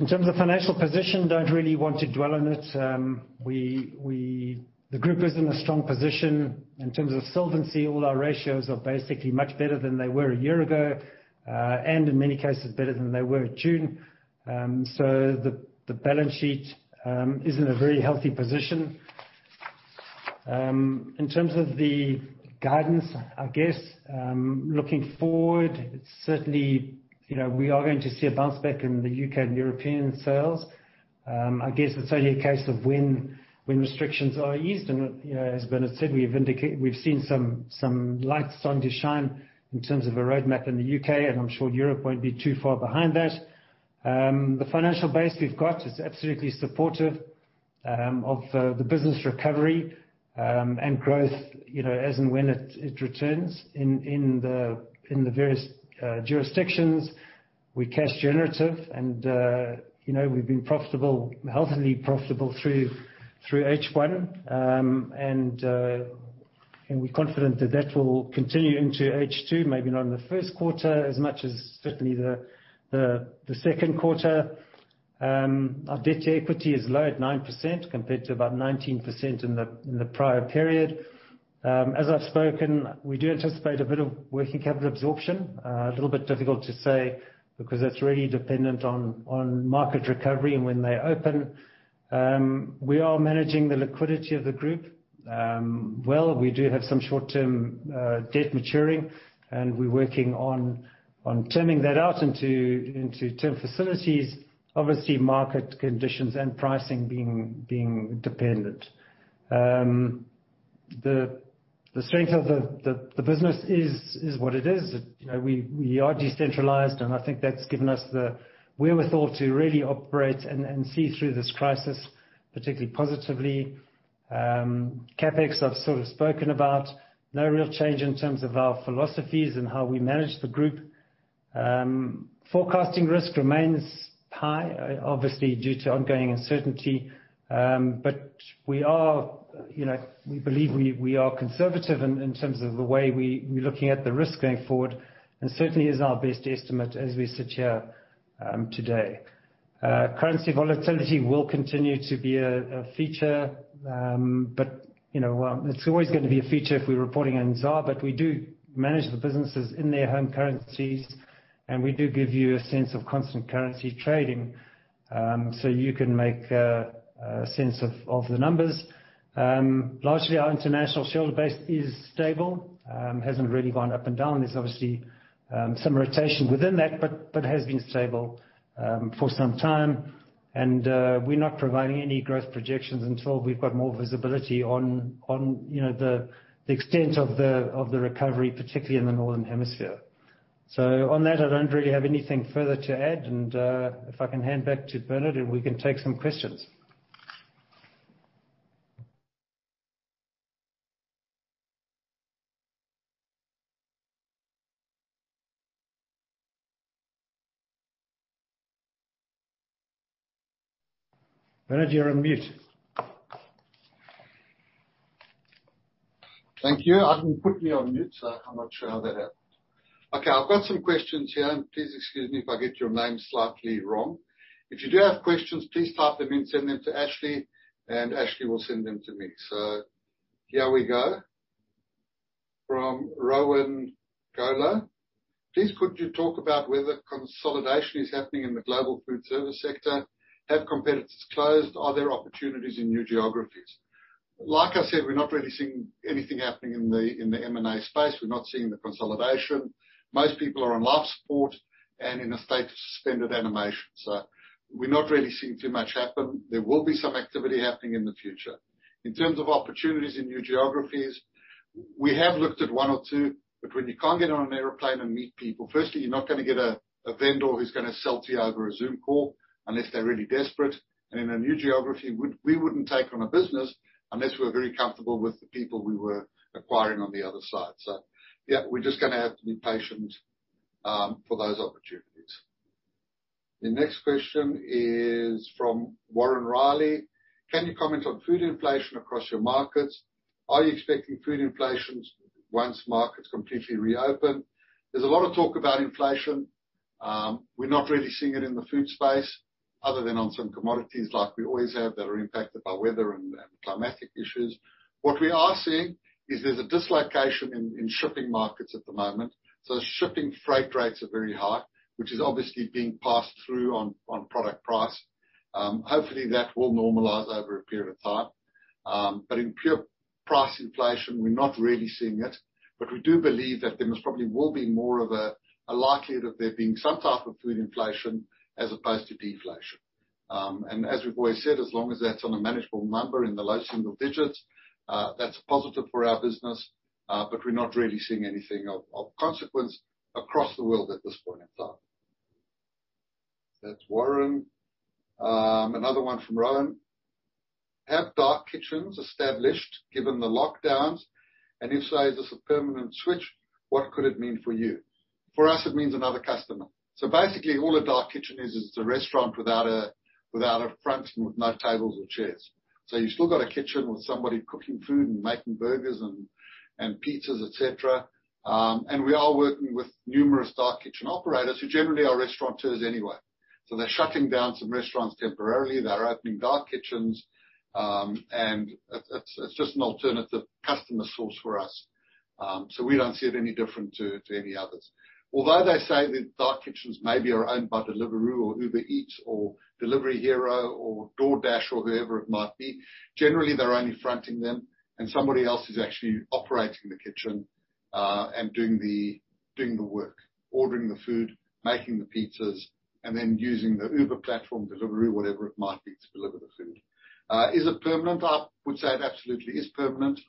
[SPEAKER 3] In terms of financial position, don't really want to dwell on it. The group is in a strong position in terms of solvency. All our ratios are basically much better than they were a year ago. In many cases, better than they were at June. The balance sheet is in a very healthy position. In terms of the guidance, I guess, looking forward, certainly, we are going to see a bounce back in the U.K. and European sales. I guess it's only a case of when restrictions are eased and, as Bernard said, we've seen some light starting to shine in terms of a roadmap in the U.K., and I'm sure Europe won't be too far behind that. The financial base we've got is absolutely supportive of the business recovery, and growth, as and when it returns in the various jurisdictions. We're cash generative and we've been profitable, healthily profitable through H1. We're confident that that will continue into H2, maybe not in the first quarter as much as certainly the second quarter. Our debt to equity is low at 9% compared to about 19% in the prior period. As I've spoken, we do anticipate a bit of working capital absorption. A little bit difficult to say because that's really dependent on market recovery and when they open. We are managing the liquidity of the group well. We do have some short-term debt maturing, and we're working on turning that out into term facilities, obviously, market conditions and pricing being dependent. The strength of the business is what it is. We are decentralized, and I think that's given us the wherewithal to really operate and see through this crisis particularly positively. CapEx, I've sort of spoken about. No real change in terms of our philosophies and how we manage the group. Forecasting risk remains high, obviously due to ongoing uncertainty. We believe we are conservative in terms of the way we're looking at the risk going forward, and certainly is our best estimate as we sit here today. Currency volatility will continue to be a feature. It's always going to be a feature if we're reporting in ZAR, but we do manage the businesses in their home currencies. We do give you a sense of constant currency trading, so you can make sense of the numbers. Largely, our international shareholder base is stable. Hasn't really gone up and down. There's obviously some rotation within that, but has been stable for some time. We're not providing any growth projections until we've got more visibility on the extent of the recovery, particularly in the northern hemisphere. On that, I don't really have anything further to add. If I can hand back to Bernard and we can take some questions. Bernard, you're on mute.
[SPEAKER 2] Thank you. I didn't put me on mute, so I'm not sure how that happened. Okay, I've got some questions here. Please excuse me if I get your name slightly wrong. If you do have questions, please type them in, send them to Ashley. Ashley will send them to me. Here we go. From Rowan Goeller: "Please could you talk about whether consolidation is happening in the global food service sector? Have competitors closed? Are there opportunities in new geographies?" Like I said, we're not really seeing anything happening in the M&A space. We're not seeing the consolidation. Most people are on life support and in a state of suspended animation. We're not really seeing too much happen. There will be some activity happening in the future. In terms of opportunities in new geographies, we have looked at one or two, but when you can't get on an airplane and meet people, firstly, you're not gonna get a vendor who's gonna sell to you over a Zoom call unless they're really desperate. In a new geography, we wouldn't take on a business unless we were very comfortable with the people we were acquiring on the other side. Yeah, we're just gonna have to be patient for those opportunities. The next question is from Warren Riley: "Can you comment on food inflation across your markets? Are you expecting food inflations once markets completely reopen?" There's a lot of talk about inflation. We're not really seeing it in the food space other than on some commodities like we always have, that are impacted by weather and climatic issues. What we are seeing is there is a dislocation in shipping markets at the moment. Shipping freight rates are very high, which is obviously being passed through on product price. Hopefully, that will normalize over a period of time. In pure price inflation, we are not really seeing it. We do believe that there most probably will be more of a likelihood of there being some type of food inflation as opposed to deflation. As we have always said, as long as that is on a manageable number in the low single-digits, that is positive for our business. We are not really seeing anything of consequence across the world at this point in time. That is Warren. Another one from Rowan. "Have dark kitchens established given the lockdowns? If so, is this a permanent switch? What could it mean for you?" For us, it means another customer. Basically, all a dark kitchen is it's a restaurant without a front and with no tables or chairs. You still got a kitchen with somebody cooking food and making burgers and pizzas, et cetera. We are working with numerous dark kitchen operators who generally are restaurateurs anyway. They're shutting down some restaurants temporarily. They're opening dark kitchens. It's just an alternative customer source for us. We don't see it any different to any others. Although they say that dark kitchens maybe are owned by Deliveroo or Uber Eats or Delivery Hero or DoorDash or whoever it might be, generally, they're only fronting them and somebody else is actually operating the kitchen, and doing the work. Ordering the food, making the pizzas, and then using the Uber platform, Deliveroo, whatever it might be, to deliver the food. Is it permanent? I would say it absolutely is permanent.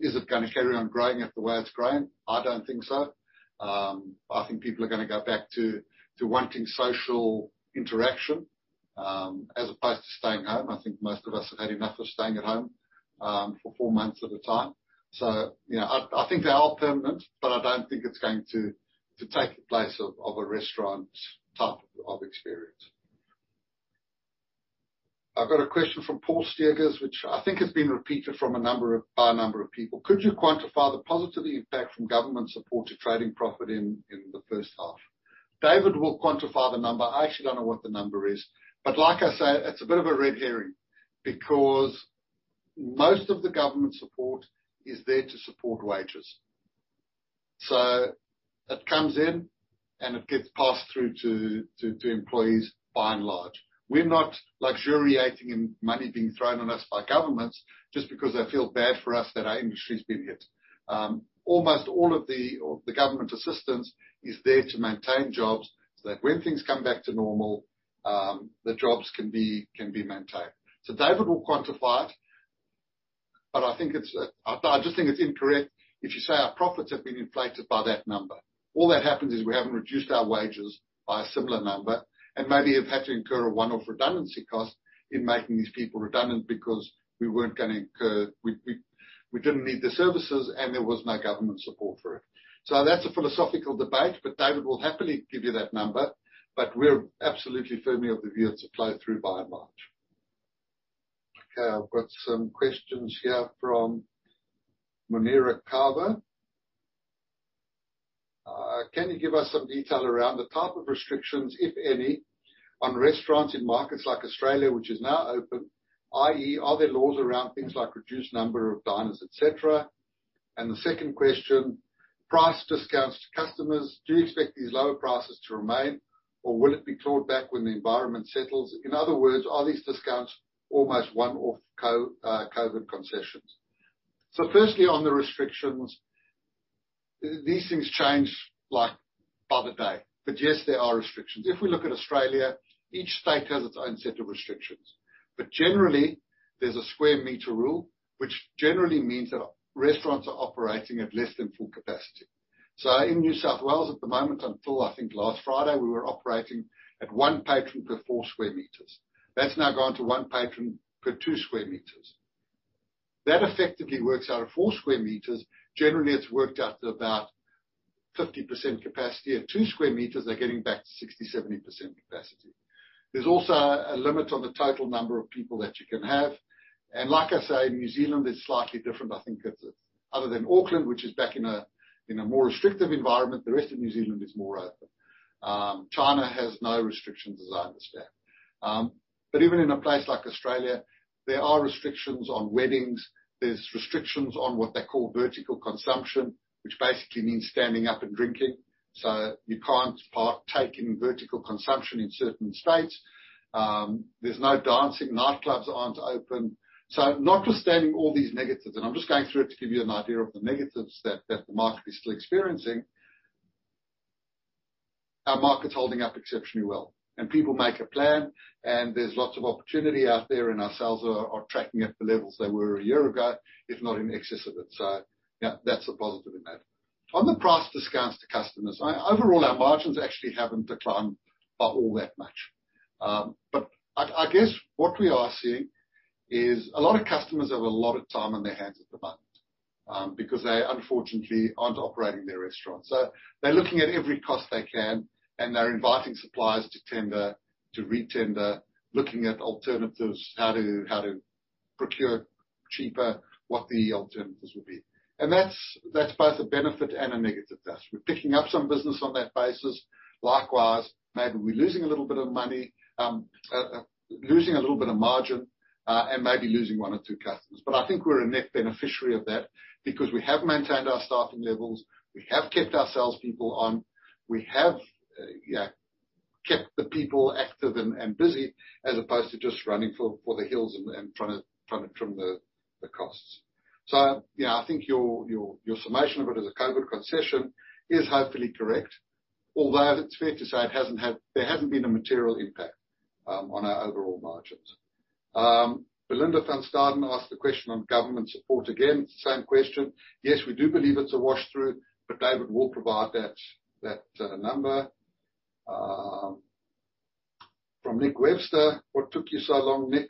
[SPEAKER 2] Is it gonna carry on growing at the way it's growing? I don't think so. I think people are gonna go back to wanting social interaction, as opposed to staying home. I think most of us have had enough of staying at home for four months at a time. I think they are permanent, but I don't think it's going to take the place of a restaurant type of experience. I've got a question from Paul Steegers, which I think has been repeated by a number of people. "Could you quantify the positive impact from government support to trading profit in the first half?" David will quantify the number. I actually don't know what the number is. Like I say, it's a bit of a red herring because most of the government support is there to support wages. It comes in and it gets passed through to employees by and large. We're not luxuriating in money being thrown on us by governments just because they feel bad for us that our industry's been hit. Almost all of the government assistance is there to maintain jobs, so that when things come back to normal, the jobs can be maintained. David will quantify it, but I just think it's incorrect if you say our profits have been inflated by that number. All that happens is we haven't reduced our wages by a similar number, and maybe have had to incur a one-off redundancy cost in making these people redundant because we didn't need the services, and there was no government support for it. That's a philosophical debate, but David will happily give you that number. We're absolutely firmly of the view it's applied through by and large. Okay, I've got some questions here from Monira Cava. "Can you give us some detail around the type of restrictions, if any, on restaurants in markets like Australia which is now open, i.e., are there laws around things like reduced number of diners, et cetera?" The second question, price discounts to customers. Do you expect these lower prices to remain, or will it be clawed back when the environment settles? In other words, are these discounts almost one-off COVID concessions? Firstly, on the restrictions, these things change by the day. Yes, there are restrictions. If we look at Australia, each state has its own set of restrictions. Generally, there's a square meter rule, which generally means that restaurants are operating at less than full capacity. In New South Wales at the moment, until I think last Friday, we were operating at one patron per four square meters. That's now gone to one patron per two square meters. That effectively works out at four square meters. Generally, it's worked out at about 50% capacity. At two square meters, they're getting back to 60%, 70% capacity. There's also a limit on the total number of people that you can have. Like I say, New Zealand is slightly different. I think other than Auckland, which is back in a more restrictive environment, the rest of New Zealand is more open. China has no restrictions, as I understand. Even in a place like Australia, there are restrictions on weddings. There's restrictions on what they call vertical consumption, which basically means standing up and drinking. You can't partake in vertical consumption in certain states. There's no dancing. Nightclubs aren't open. Notwithstanding all these negatives, and I'm just going through it to give you an idea of the negatives that the market is still experiencing, our market's holding up exceptionally well. People make a plan, and there's lots of opportunity out there, and our sales are tracking at the levels they were a year ago, if not in excess of it. Yeah, that's a positive in that. On the price discounts to customers, overall, our margins actually haven't declined by all that much. I guess what we are seeing is a lot of customers have a lot of time on their hands at the moment, because they unfortunately aren't operating their restaurant. They're looking at every cost they can, and they're inviting suppliers to retender, looking at alternatives, how to procure cheaper, what the alternatives would be. That's both a benefit and a negative. We're picking up some business on that basis. Likewise, maybe we're losing a little bit of money, losing a little bit of margin, and maybe losing one or two customers. I think we're a net beneficiary of that because we have maintained our staffing levels. We have kept our salespeople on. We have kept the people active and busy as opposed to just running for the hills and from the costs. Yeah, I think your summation of it as a COVID concession is hopefully correct, although it's fair to say there hasn't been a material impact on our overall margins. Belinda van Staden asked the question on government support again. It's the same question. Yes, we do believe it's a wash through, but David will provide that number. From Nick Webster. What took you so long, Nick?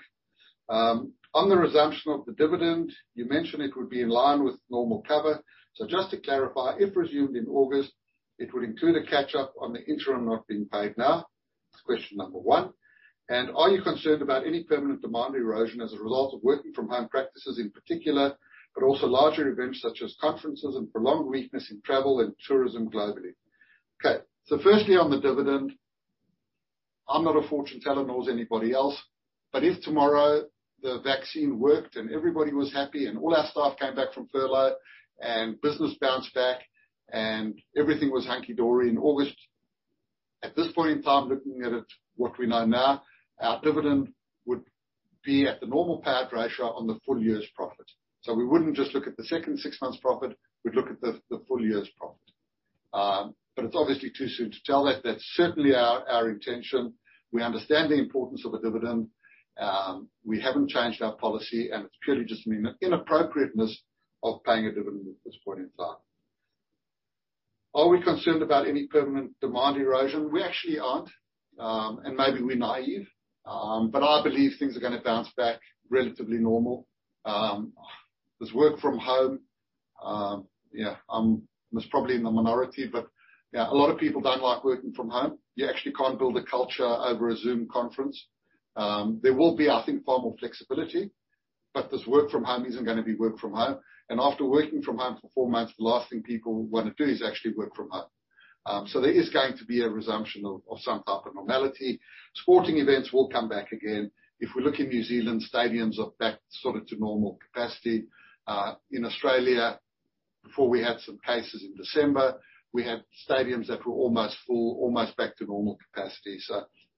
[SPEAKER 2] On the resumption of the dividend, you mentioned it would be in line with normal cover. Just to clarify, if resumed in August, it would include a catch-up on the interim not being paid now? That's question number one. Are you concerned about any permanent demand erosion as a result of working from home practices in particular, but also larger events such as conferences and prolonged weakness in travel and tourism globally? Okay, firstly on the dividend, I'm not a fortune teller, nor is anybody else. If tomorrow the vaccine worked and everybody was happy and all our staff came back from furlough and business bounced back and everything was hunky dory in August, at this point in time, looking at it, what we know now, our dividend would be at the normal payout ratio on the full year's profit. We wouldn't just look at the second six months profit, we'd look at the full year's profit. It's obviously too soon to tell that. That's certainly our intention. We understand the importance of a dividend. We haven't changed our policy, and it's purely just an inappropriateness of paying a dividend at this point in time. Are we concerned about any permanent demand erosion? We actually aren't. Maybe we're naive. I believe things are going to bounce back relatively normal. There's work from home. I'm most probably in the minority, but a lot of people don't like working from home. You actually can't build a culture over a Zoom conference. There will be, I think, far more flexibility. This work from home isn't going to be work from home. After working from home for four months, the last thing people want to do is actually work from home. There is going to be a resumption of some type of normality. Sporting events will come back again. If we look in New Zealand, stadiums are back sort of to normal capacity. In Australia, before we had some cases in December, we had stadiums that were almost full, almost back to normal capacity.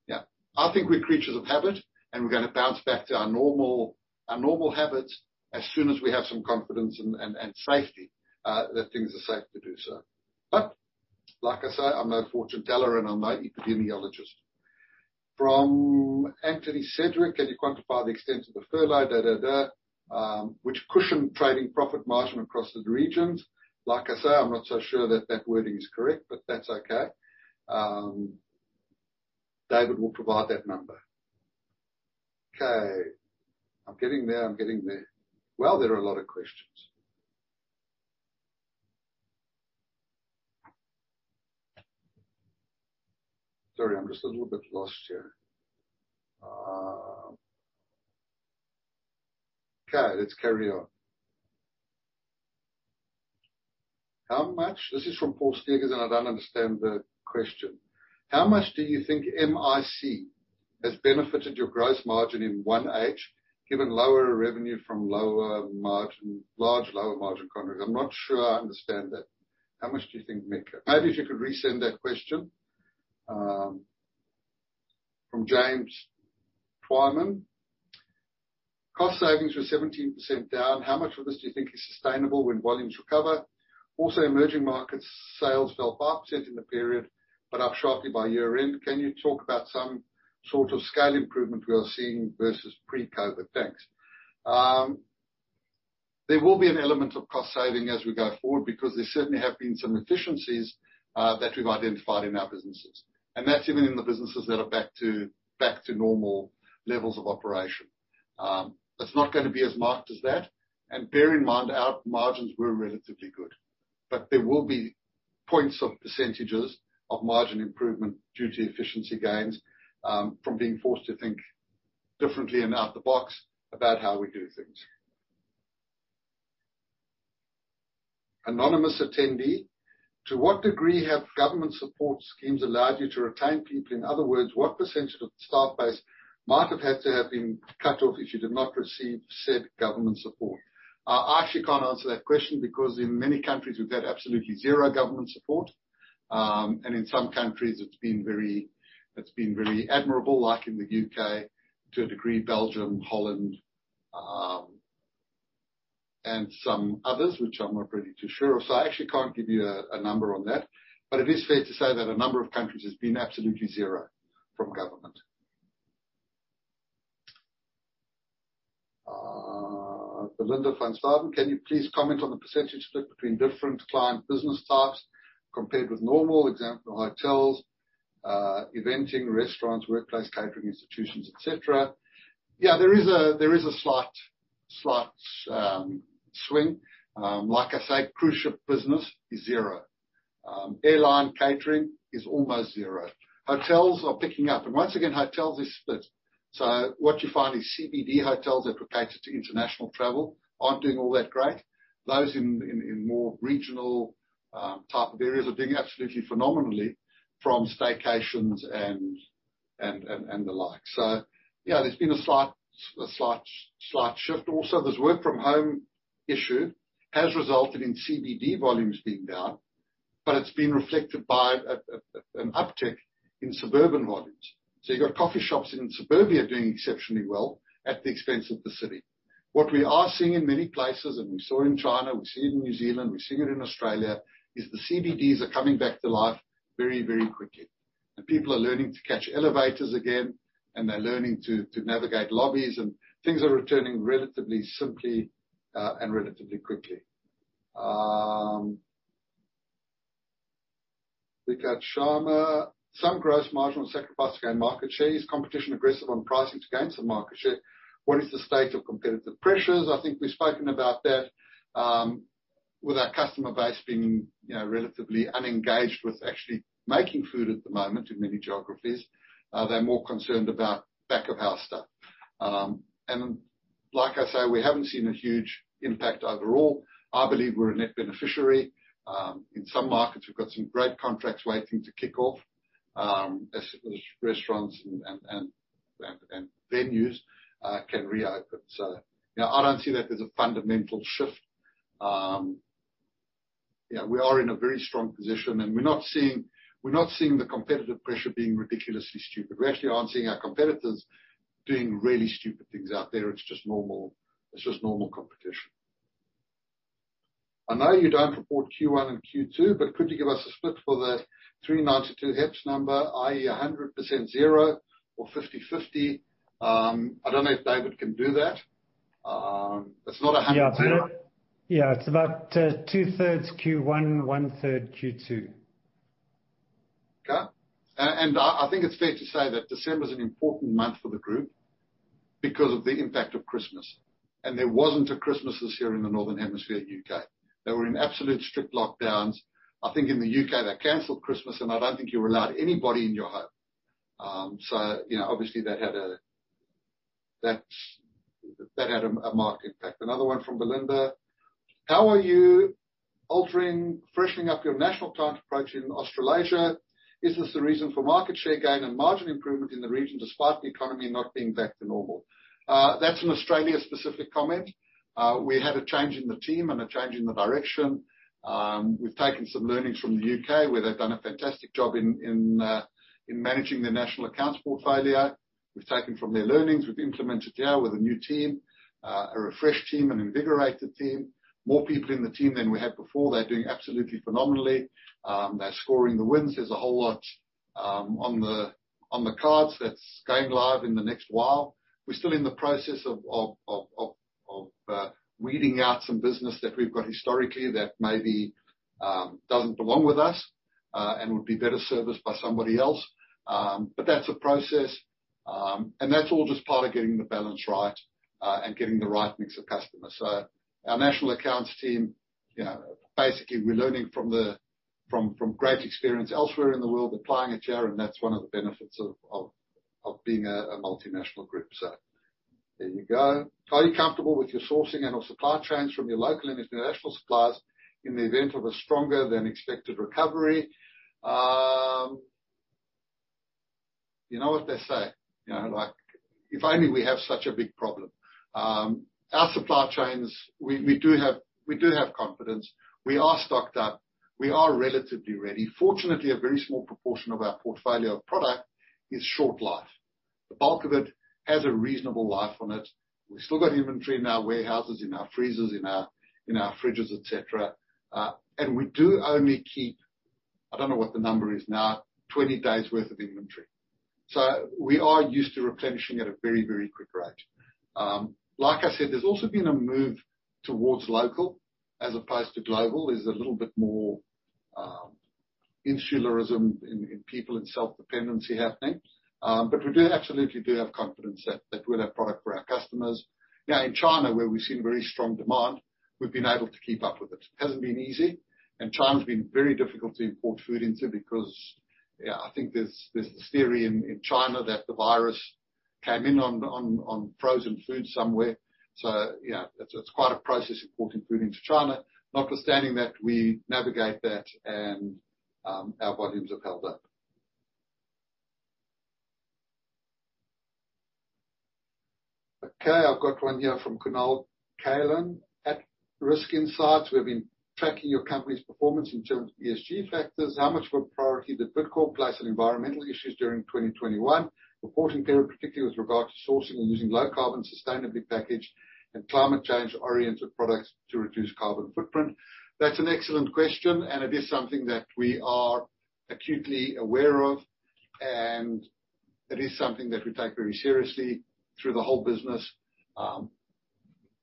[SPEAKER 2] Yeah, I think we're creatures of habit, and we're going to bounce back to our normal habits as soon as we have some confidence and safety that things are safe to do so. Like I say, I'm no fortune teller and I'm no epidemiologist. From Anthony Geard: "Can you quantify the extent of the furlough- which cushioned trading profit margin across the regions? I say, I'm not so sure that that wording is correct, but that's okay. David will provide that number. I'm getting there. I'm getting there. There are a lot of questions. Sorry, I'm just a little bit lost here. Let's carry on. How much This is from Paul Steegers. I don't understand the question. How much do you think MIC has benefited your gross margin in 1H, given lower revenue from large, lower margin contracts? I'm not sure I understand that. How much do you think MIC Maybe if you could resend that question. From James Twyman. Cost savings were 17% down. How much of this do you think is sustainable when volumes recover? Emerging markets sales fell 5% in the period, up sharply by year-end. Can you talk about some sort of scale improvement we are seeing versus pre-COVID? Thanks. There will be an element of cost saving as we go forward because there certainly have been some efficiencies that we've identified in our businesses. That's even in the businesses that are back to normal levels of operation. That's not going to be as marked as that. Bear in mind, our margins were relatively good. There will be points of percentages of margin improvement due to efficiency gains, from being forced to think differently and out the box about how we do things. Anonymous attendee: To what degree have government support schemes allowed you to retain people? In other words, what percent of the staff base might have had to have been cut off if you did not receive said government support? I actually can't answer that question because in many countries we've had absolutely zero government support. In some countries it's been very admirable, like in the U.K., to a degree, Belgium, Holland, and some others, which I'm not really too sure of. I actually can't give you a number on that. It is fair to say that a number of countries has been absolutely zero from government. Belinda van Staden. Can you please comment on the percentage split between different client business types compared with normal? For example, hotels, eventing, restaurants, workplace catering institutions, et cetera. Yeah. There is a slight swing. Like I say, cruise ship business is zero. Airline catering is almost zero. Hotels are picking up. Once again, hotels is split. What you find is CBD hotels that are catered to international travel aren't doing all that great. Those in more regional type of areas are doing absolutely phenomenally from staycations and the like. Yeah, there's been a slight shift. Also, this work from home issue has resulted in CBD volumes being down, but it's been reflected by an uptick in suburban volumes. You've got coffee shops in suburbia doing exceptionally well at the expense of the city. What we are seeing in many places, and we saw in China, we see it in New Zealand, we see it in Australia, is the CBDs are coming back to life very quickly. People are learning to catch elevators again, and they're learning to navigate lobbies, and things are returning relatively simply, and relatively quickly. We got Sharma. Some gross margin sacrifice to gain market share. Is competition aggressive on pricing to gain some market share? What is the state of competitive pressures? I think we've spoken about that. With our customer base being relatively unengaged with actually making food at the moment in many geographies, they're more concerned about back of house stuff. Like I say, we haven't seen a huge impact overall. I believe we're a net beneficiary. In some markets, we've got some great contracts waiting to kick off, as restaurants and venues can reopen. I don't see that there's a fundamental shift. We are in a very strong position, and we're not seeing the competitive pressure being ridiculously stupid. We actually aren't seeing our competitors doing really stupid things out there. It's just normal competition. I know you don't report Q1 and Q2, could you give us a split for the 392 HEPS number, i.e., 100% zero or 50/50? I don't know if David can do that. It's not 100.
[SPEAKER 3] Yeah. It's about 2/3 Q1, 1/3 Q2.
[SPEAKER 2] Okay. I think it's fair to say that December is an important month for the group because of the impact of Christmas. There wasn't a Christmas this year in the Northern Hemisphere U.K. They were in absolute strict lockdowns. I think in the U.K., they canceled Christmas, and I don't think you were allowed anybody in your home. Obviously, that had a marked impact. Another one from Belinda. How are you altering, freshening up your national client approach in Australasia? Is this the reason for market share gain and margin improvement in the region, despite the economy not being back to normal? That's an Australia-specific comment. We had a change in the team and a change in the direction. We've taken some learnings from the U.K., where they've done a fantastic job in managing their national accounts portfolio. We've taken from their learnings. We've implemented here with a new team. A refreshed team, an invigorated team. More people in the team than we had before. They're doing absolutely phenomenally. They're scoring the wins. There's a whole lot on the cards that's going live in the next while. We're still in the process of weeding out some business that we've got historically that maybe doesn't belong with us, and would be better serviced by somebody else. That's a process. That's all just part of getting the balance right, and getting the right mix of customers. Our national accounts team, basically, we're learning from great experience elsewhere in the world, applying it here, and that's one of the benefits of being a multinational group. There you go. Are you comfortable with your sourcing and/or supply chains from your local and international suppliers in the event of a stronger than expected recovery?" You know what they say, if only we have such a big problem. Our supply chains, we do have confidence. We are stocked up. We are relatively ready. Fortunately, a very small proportion of our portfolio of product is short life. The bulk of it has a reasonable life on it. We've still got inventory in our warehouses, in our freezers, in our fridges, et cetera. We do only keep, I don't know what the number is now, 20 days worth of inventory. We are used to replenishing at a very, very quick rate. Like I said, there's also been a move towards local as opposed to global. There's a little bit more insularism in people and self-dependency happening. We absolutely do have confidence that we'll have product for our customers. In China, where we've seen very strong demand, we've been able to keep up with it. It hasn't been easy, and China's been very difficult to import food into because I think there's this theory in China that the virus came in on frozen food somewhere. It's quite a process importing food into China. Notwithstanding that, we navigate that and our volumes have held up. I've got one here from Kunal Kalan at Risk Insights. We've been tracking your company's performance in terms of ESG factors. How much of a priority did Bidcorp place on environmental issues during 2021 reporting period, particularly with regard to sourcing and using low carbon sustainable package and climate change-oriented products to reduce carbon footprint?" That's an excellent question, and it is something that we are acutely aware of, and it is something that we take very seriously through the whole business.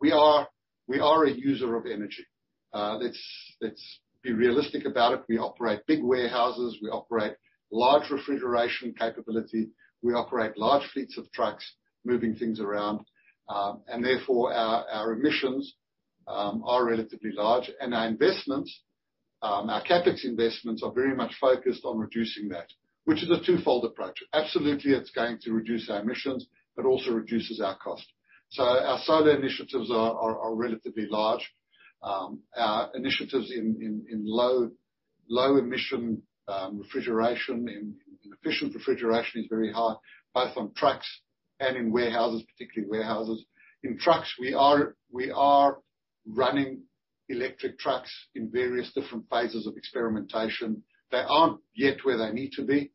[SPEAKER 2] We are a user of energy. Let's be realistic about it. We operate big warehouses. We operate large refrigeration capability. We operate large fleets of trucks moving things around. Therefore, our emissions are relatively large and our CapEx investments are very much focused on reducing that, which is a twofold approach. Absolutely, it's going to reduce our emissions, but also reduces our cost. Our solar initiatives are relatively large. Our initiatives in low emission refrigeration, in efficient refrigeration is very high, both on trucks and in warehouses, particularly warehouses. In trucks, we are running electric trucks in various different phases of experimentation. They aren't yet where they need to be.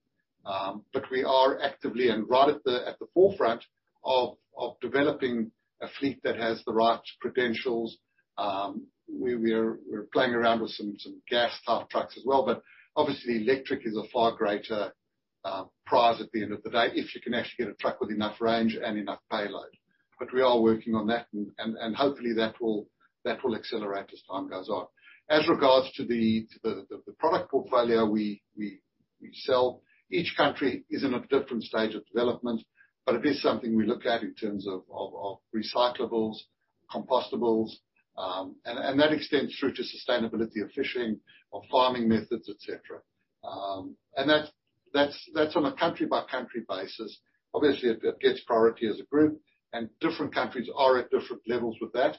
[SPEAKER 2] We are actively and right at the forefront of developing a fleet that has the right credentials. We're playing around with some gas-type trucks as well, obviously electric is a far greater prize at the end of the day, if you can actually get a truck with enough range and enough payload. We are working on that, and hopefully that will accelerate as time goes on. As regards to the product portfolio we sell, each country is in a different stage of development, but it is something we look at in terms of recyclables, compostables, and that extends through to sustainability of fishing, of farming methods, et cetera. That's on a country-by-country basis. Obviously, it gets priority as a group and different countries are at different levels with that.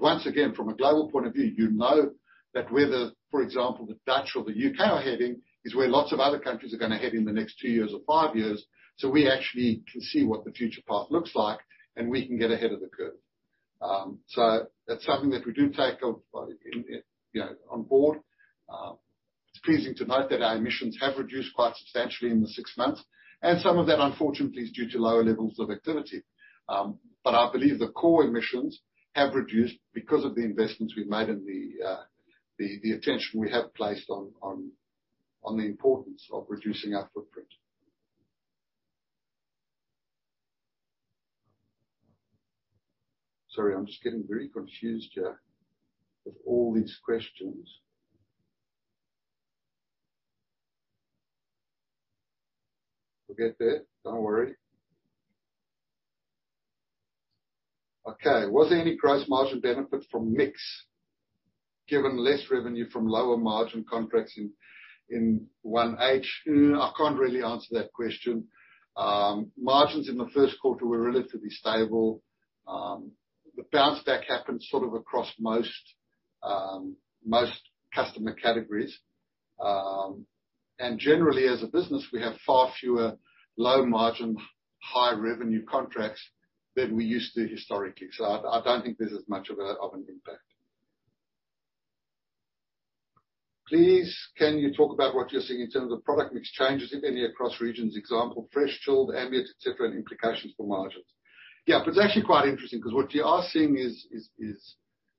[SPEAKER 2] Once again, from a global point of view, you know that whether, for example, the Dutch or the U.K. are heading is where lots of other countries are gonna head in the next two years or five years. We actually can see what the future path looks like, and we can get ahead of the curve. That's something that we do take on board. It's pleasing to note that our emissions have reduced quite substantially in the six months, some of that, unfortunately, is due to lower levels of activity. I believe the core emissions have reduced because of the investments we've made and the attention we have placed on the importance of reducing our footprint. Sorry, I'm just getting very confused here with all these questions. We'll get there. Don't worry. Okay. "Was there any gross margin benefit from mix given less revenue from lower margin contracts in 1H?" I can't really answer that question. Margins in the first quarter were relatively stable. The bounce back happened sort of across most customer categories. Generally, as a business, we have far fewer low margin, high revenue contracts than we used to historically. I don't think there's as much of an impact. Please, can you talk about what you're seeing in terms of product mix changes, if any, across regions? Example, fresh, chilled, ambient, et cetera, and implications for margins. Yeah. It's actually quite interesting because what you are seeing is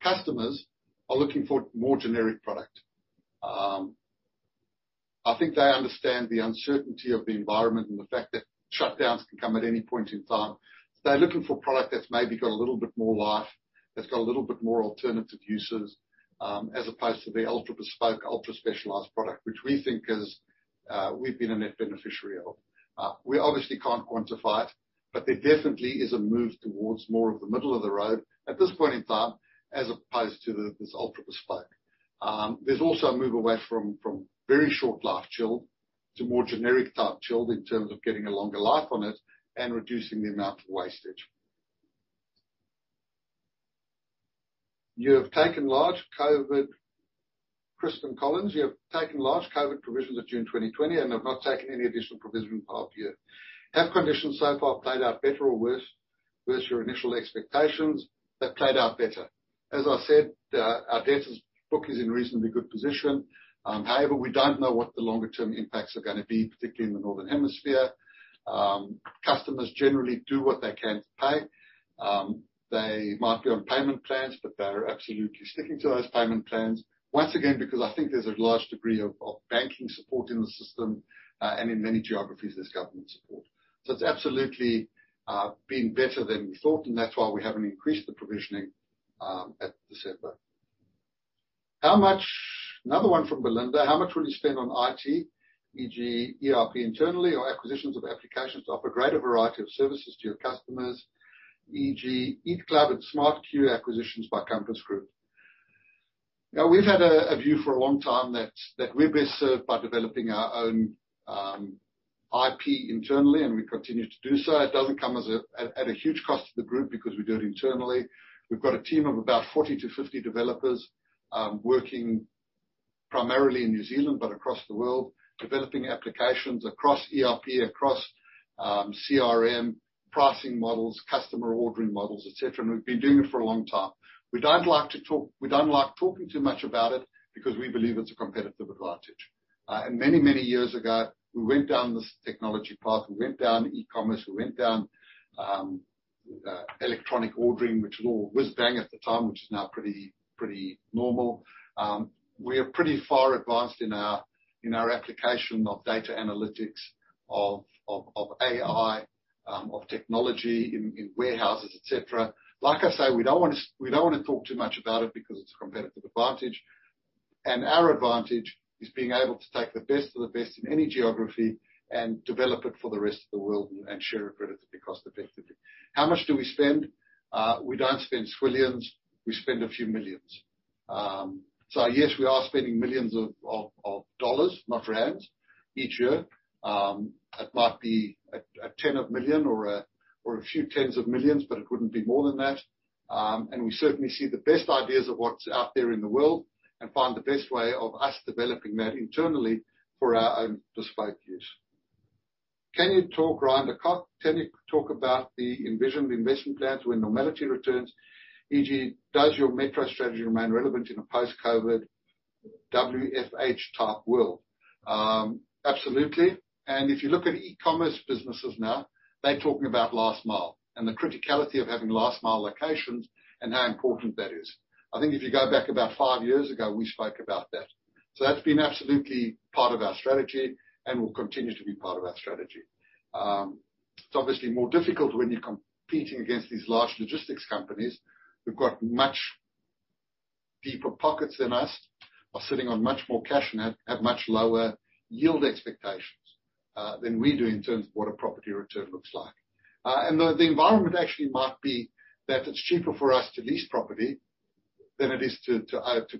[SPEAKER 2] customers are looking for more generic product. I think they understand the uncertainty of the environment and the fact that shutdowns can come at any point in time. They're looking for product that's maybe got a little bit more life, that's got a little bit more alternative uses, as opposed to the ultra-bespoke, ultra-specialized product, which we think we've been a net beneficiary of. We obviously can't quantify it, but there definitely is a move towards more of the middle of the road at this point in time as opposed to this ultra-bespoke. There's also a move away from very short life chilled a more generic type chilled in terms of getting a longer life on it and reducing the amount of wastage. Kristen Collins: You have taken large COVID provisions at June 2020 and have not taken any additional provision in the half year. Have conditions so far played out better or worse than your initial expectations? They played out better. As I said, our debtors' book is in reasonably good position. However, we don't know what the longer-term impacts are going to be, particularly in the northern hemisphere. Customers generally do what they can to pay. They might be on payment plans, but they're absolutely sticking to those payment plans. Once again, because I think there's a large degree of banking support in the system, and in many geographies, there's government support. It's absolutely been better than we thought, and that's why we haven't increased the provisioning at December. Another one from Belinda: "How much will you spend on IT, e.g., ERP internally or acquisitions of applications to offer a greater variety of services to your customers, e.g. Eat Club and SmartQ acquisitions by Compass Group?" We've had a view for a long time that we're best served by developing our own IP internally, and we continue to do so. It doesn't come at a huge cost to the group because we do it internally. We've got a team of about 40 to 50 developers working primarily in New Zealand, but across the world, developing applications across ERP, across CRM, pricing models, customer ordering models, et cetera, and we've been doing it for a long time. We don't like talking too much about it because we believe it's a competitive advantage. Many, many years ago, we went down this technology path. We went down e-commerce. We went down electronic ordering, which was all whizzbang at the time, which is now pretty normal. We are pretty far advanced in our application of data analytics of AI, of technology in warehouses, et cetera. Like I say, we don't want to talk too much about it because it's a competitive advantage, and our advantage is being able to take the best of the best in any geography and develop it for the rest of the world and share it relatively cost-effectively. How much do we spend? We don't spend swillions. We spend a few millions. Yes, we are spending millions of dollars, not rands, each year. It might be a 10 of million or a few tens of millions, but it wouldn't be more than that. We certainly see the best ideas of what's out there in the world and find the best way of us developing that internally for our own bespoke use. Can you talk about the envisioned investment plans when normality returns, e.g., does your metro strategy remain relevant in a post-COVID WFH type world? Absolutely. If you look at e-commerce businesses now, they're talking about last mile and the criticality of having last mile locations and how important that is. I think if you go back about five years ago, we spoke about that. That's been absolutely part of our strategy and will continue to be part of our strategy. It's obviously more difficult when you're competing against these large logistics companies who've got much deeper pockets than us, are sitting on much more cash, and have much lower yield expectations than we do in terms of what a property return looks like. The environment actually might be that it's cheaper for us to lease property than it is to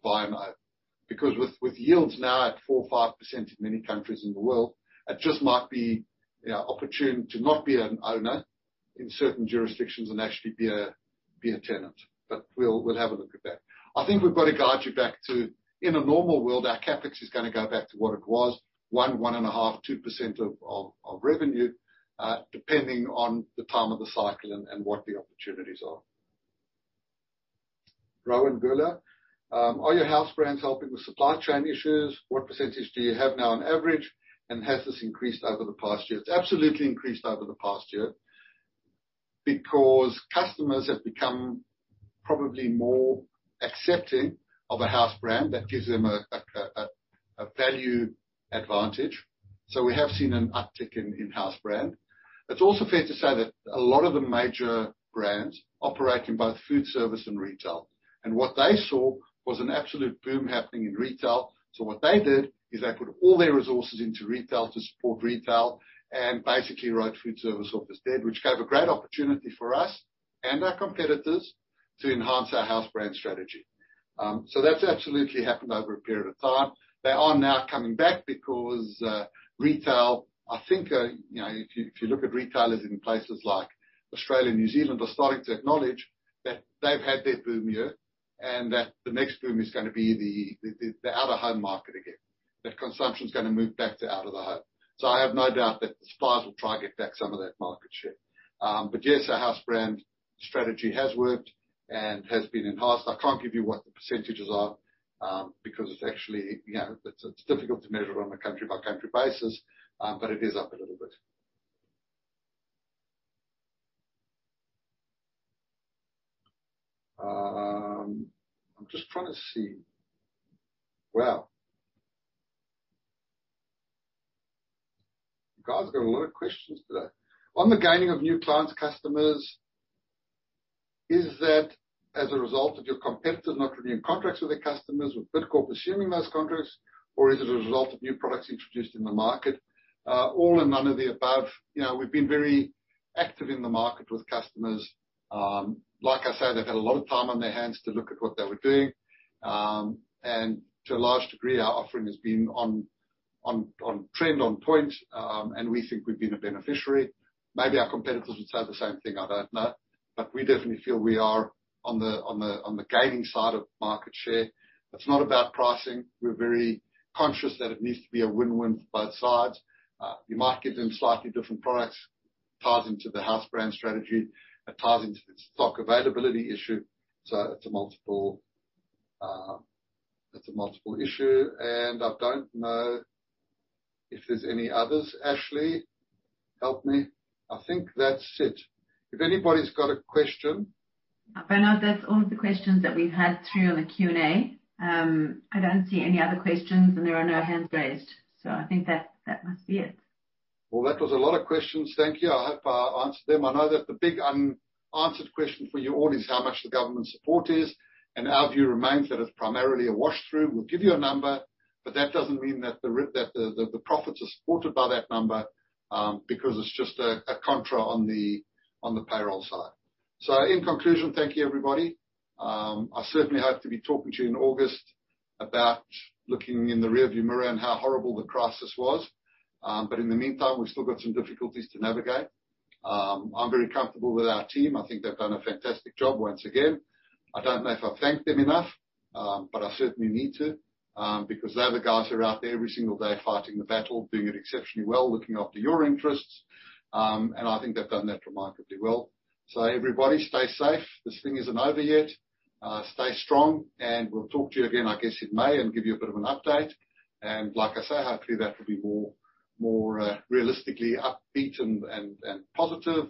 [SPEAKER 2] buy and own. With yields now at 4% or 5% in many countries in the world, it just might be opportune to not be an owner in certain jurisdictions and actually be a tenant. We'll have a look at that. I think we've got to guide you back to, in a normal world, our CapEx is going to go back to what it was, 1%, 1.5%, 2% of revenue, depending on the time of the cycle and what the opportunities are. Robyn Grueller: Are your house brands helping with supply chain issues? What percentage do you have now on average, and has this increased over the past year?" It's absolutely increased over the past year because customers have become probably more accepting of a house brand that gives them a value advantage. We have seen an uptick in house brand. It's also fair to say that a lot of the major brands operate in both foodservice and retail, and what they saw was an absolute boom happening in retail. What they did is they put all their resources into retail to support retail and basically wrote foodservice off as dead, which gave a great opportunity for us and our competitors to enhance our house brand strategy. That's absolutely happened over a period of time. They are now coming back because retail, I think if you look at retailers in places like Australia and New Zealand, are starting to acknowledge that they've had their boom year and that the next boom is going to be the out-of-home market again. That consumption is going to move back to out of the home. I have no doubt that the suppliers will try and get back some of that market share. Yes, our house brand strategy has worked and has been enhanced. I can't give you what the percentages are because it's difficult to measure on a country-by-country basis, but it is up a little bit. I'm just trying to see. Wow. You guys got a lot of questions today. On the gaining of new clients, customers, is that as a result of your competitors not renewing contracts with their customers, with Bidcorp assuming those contracts, or is it a result of new products introduced in the market? All or none of the above. We've been very-Active in the market with customers. Like I said, they've had a lot of time on their hands to look at what they were doing. To a large degree, our offering has been on trend, on point, and we think we've been a beneficiary. Maybe our competitors would say the same thing, I don't know. We definitely feel we are on the gaining side of market share. It's not about pricing. We're very conscious that it needs to be a win-win for both sides. You might give them slightly different products, ties into the house brand strategy, it ties into the stock availability issue. It's a multiple issue. I don't know if there's any others. Ashley, help me. I think that's it. If anybody's got a question.
[SPEAKER 4] Bernard, that's all of the questions that we've had through the Q&A. I don't see any other questions, and there are no hands raised. I think that must be it.
[SPEAKER 2] Well, that was a lot of questions. Thank you. I hope I answered them. I know that the big unanswered question for you all is how much the government support is. Our view remains that it's primarily a wash through. We'll give you a number, but that doesn't mean that the profits are supported by that number, because it's just a contra on the payroll side. In conclusion, thank you, everybody. I certainly hope to be talking to you in August about looking in the rearview mirror on how horrible the crisis was. In the meantime, we've still got some difficulties to navigate. I'm very comfortable with our team. I think they've done a fantastic job once again. I don't know if I've thanked them enough, but I certainly need to, because they're the guys who are out there every single day fighting the battle, doing it exceptionally well, looking after your interests. I think they've done that remarkably well. Everybody, stay safe. This thing isn't over yet. Stay strong, and we'll talk to you again, I guess, in May and give you a bit of an update. Like I say, hopefully, that will be more realistically upbeat and positive.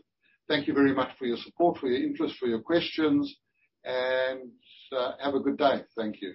[SPEAKER 2] Thank you very much for your support, for your interest, for your questions, and have a good day. Thank you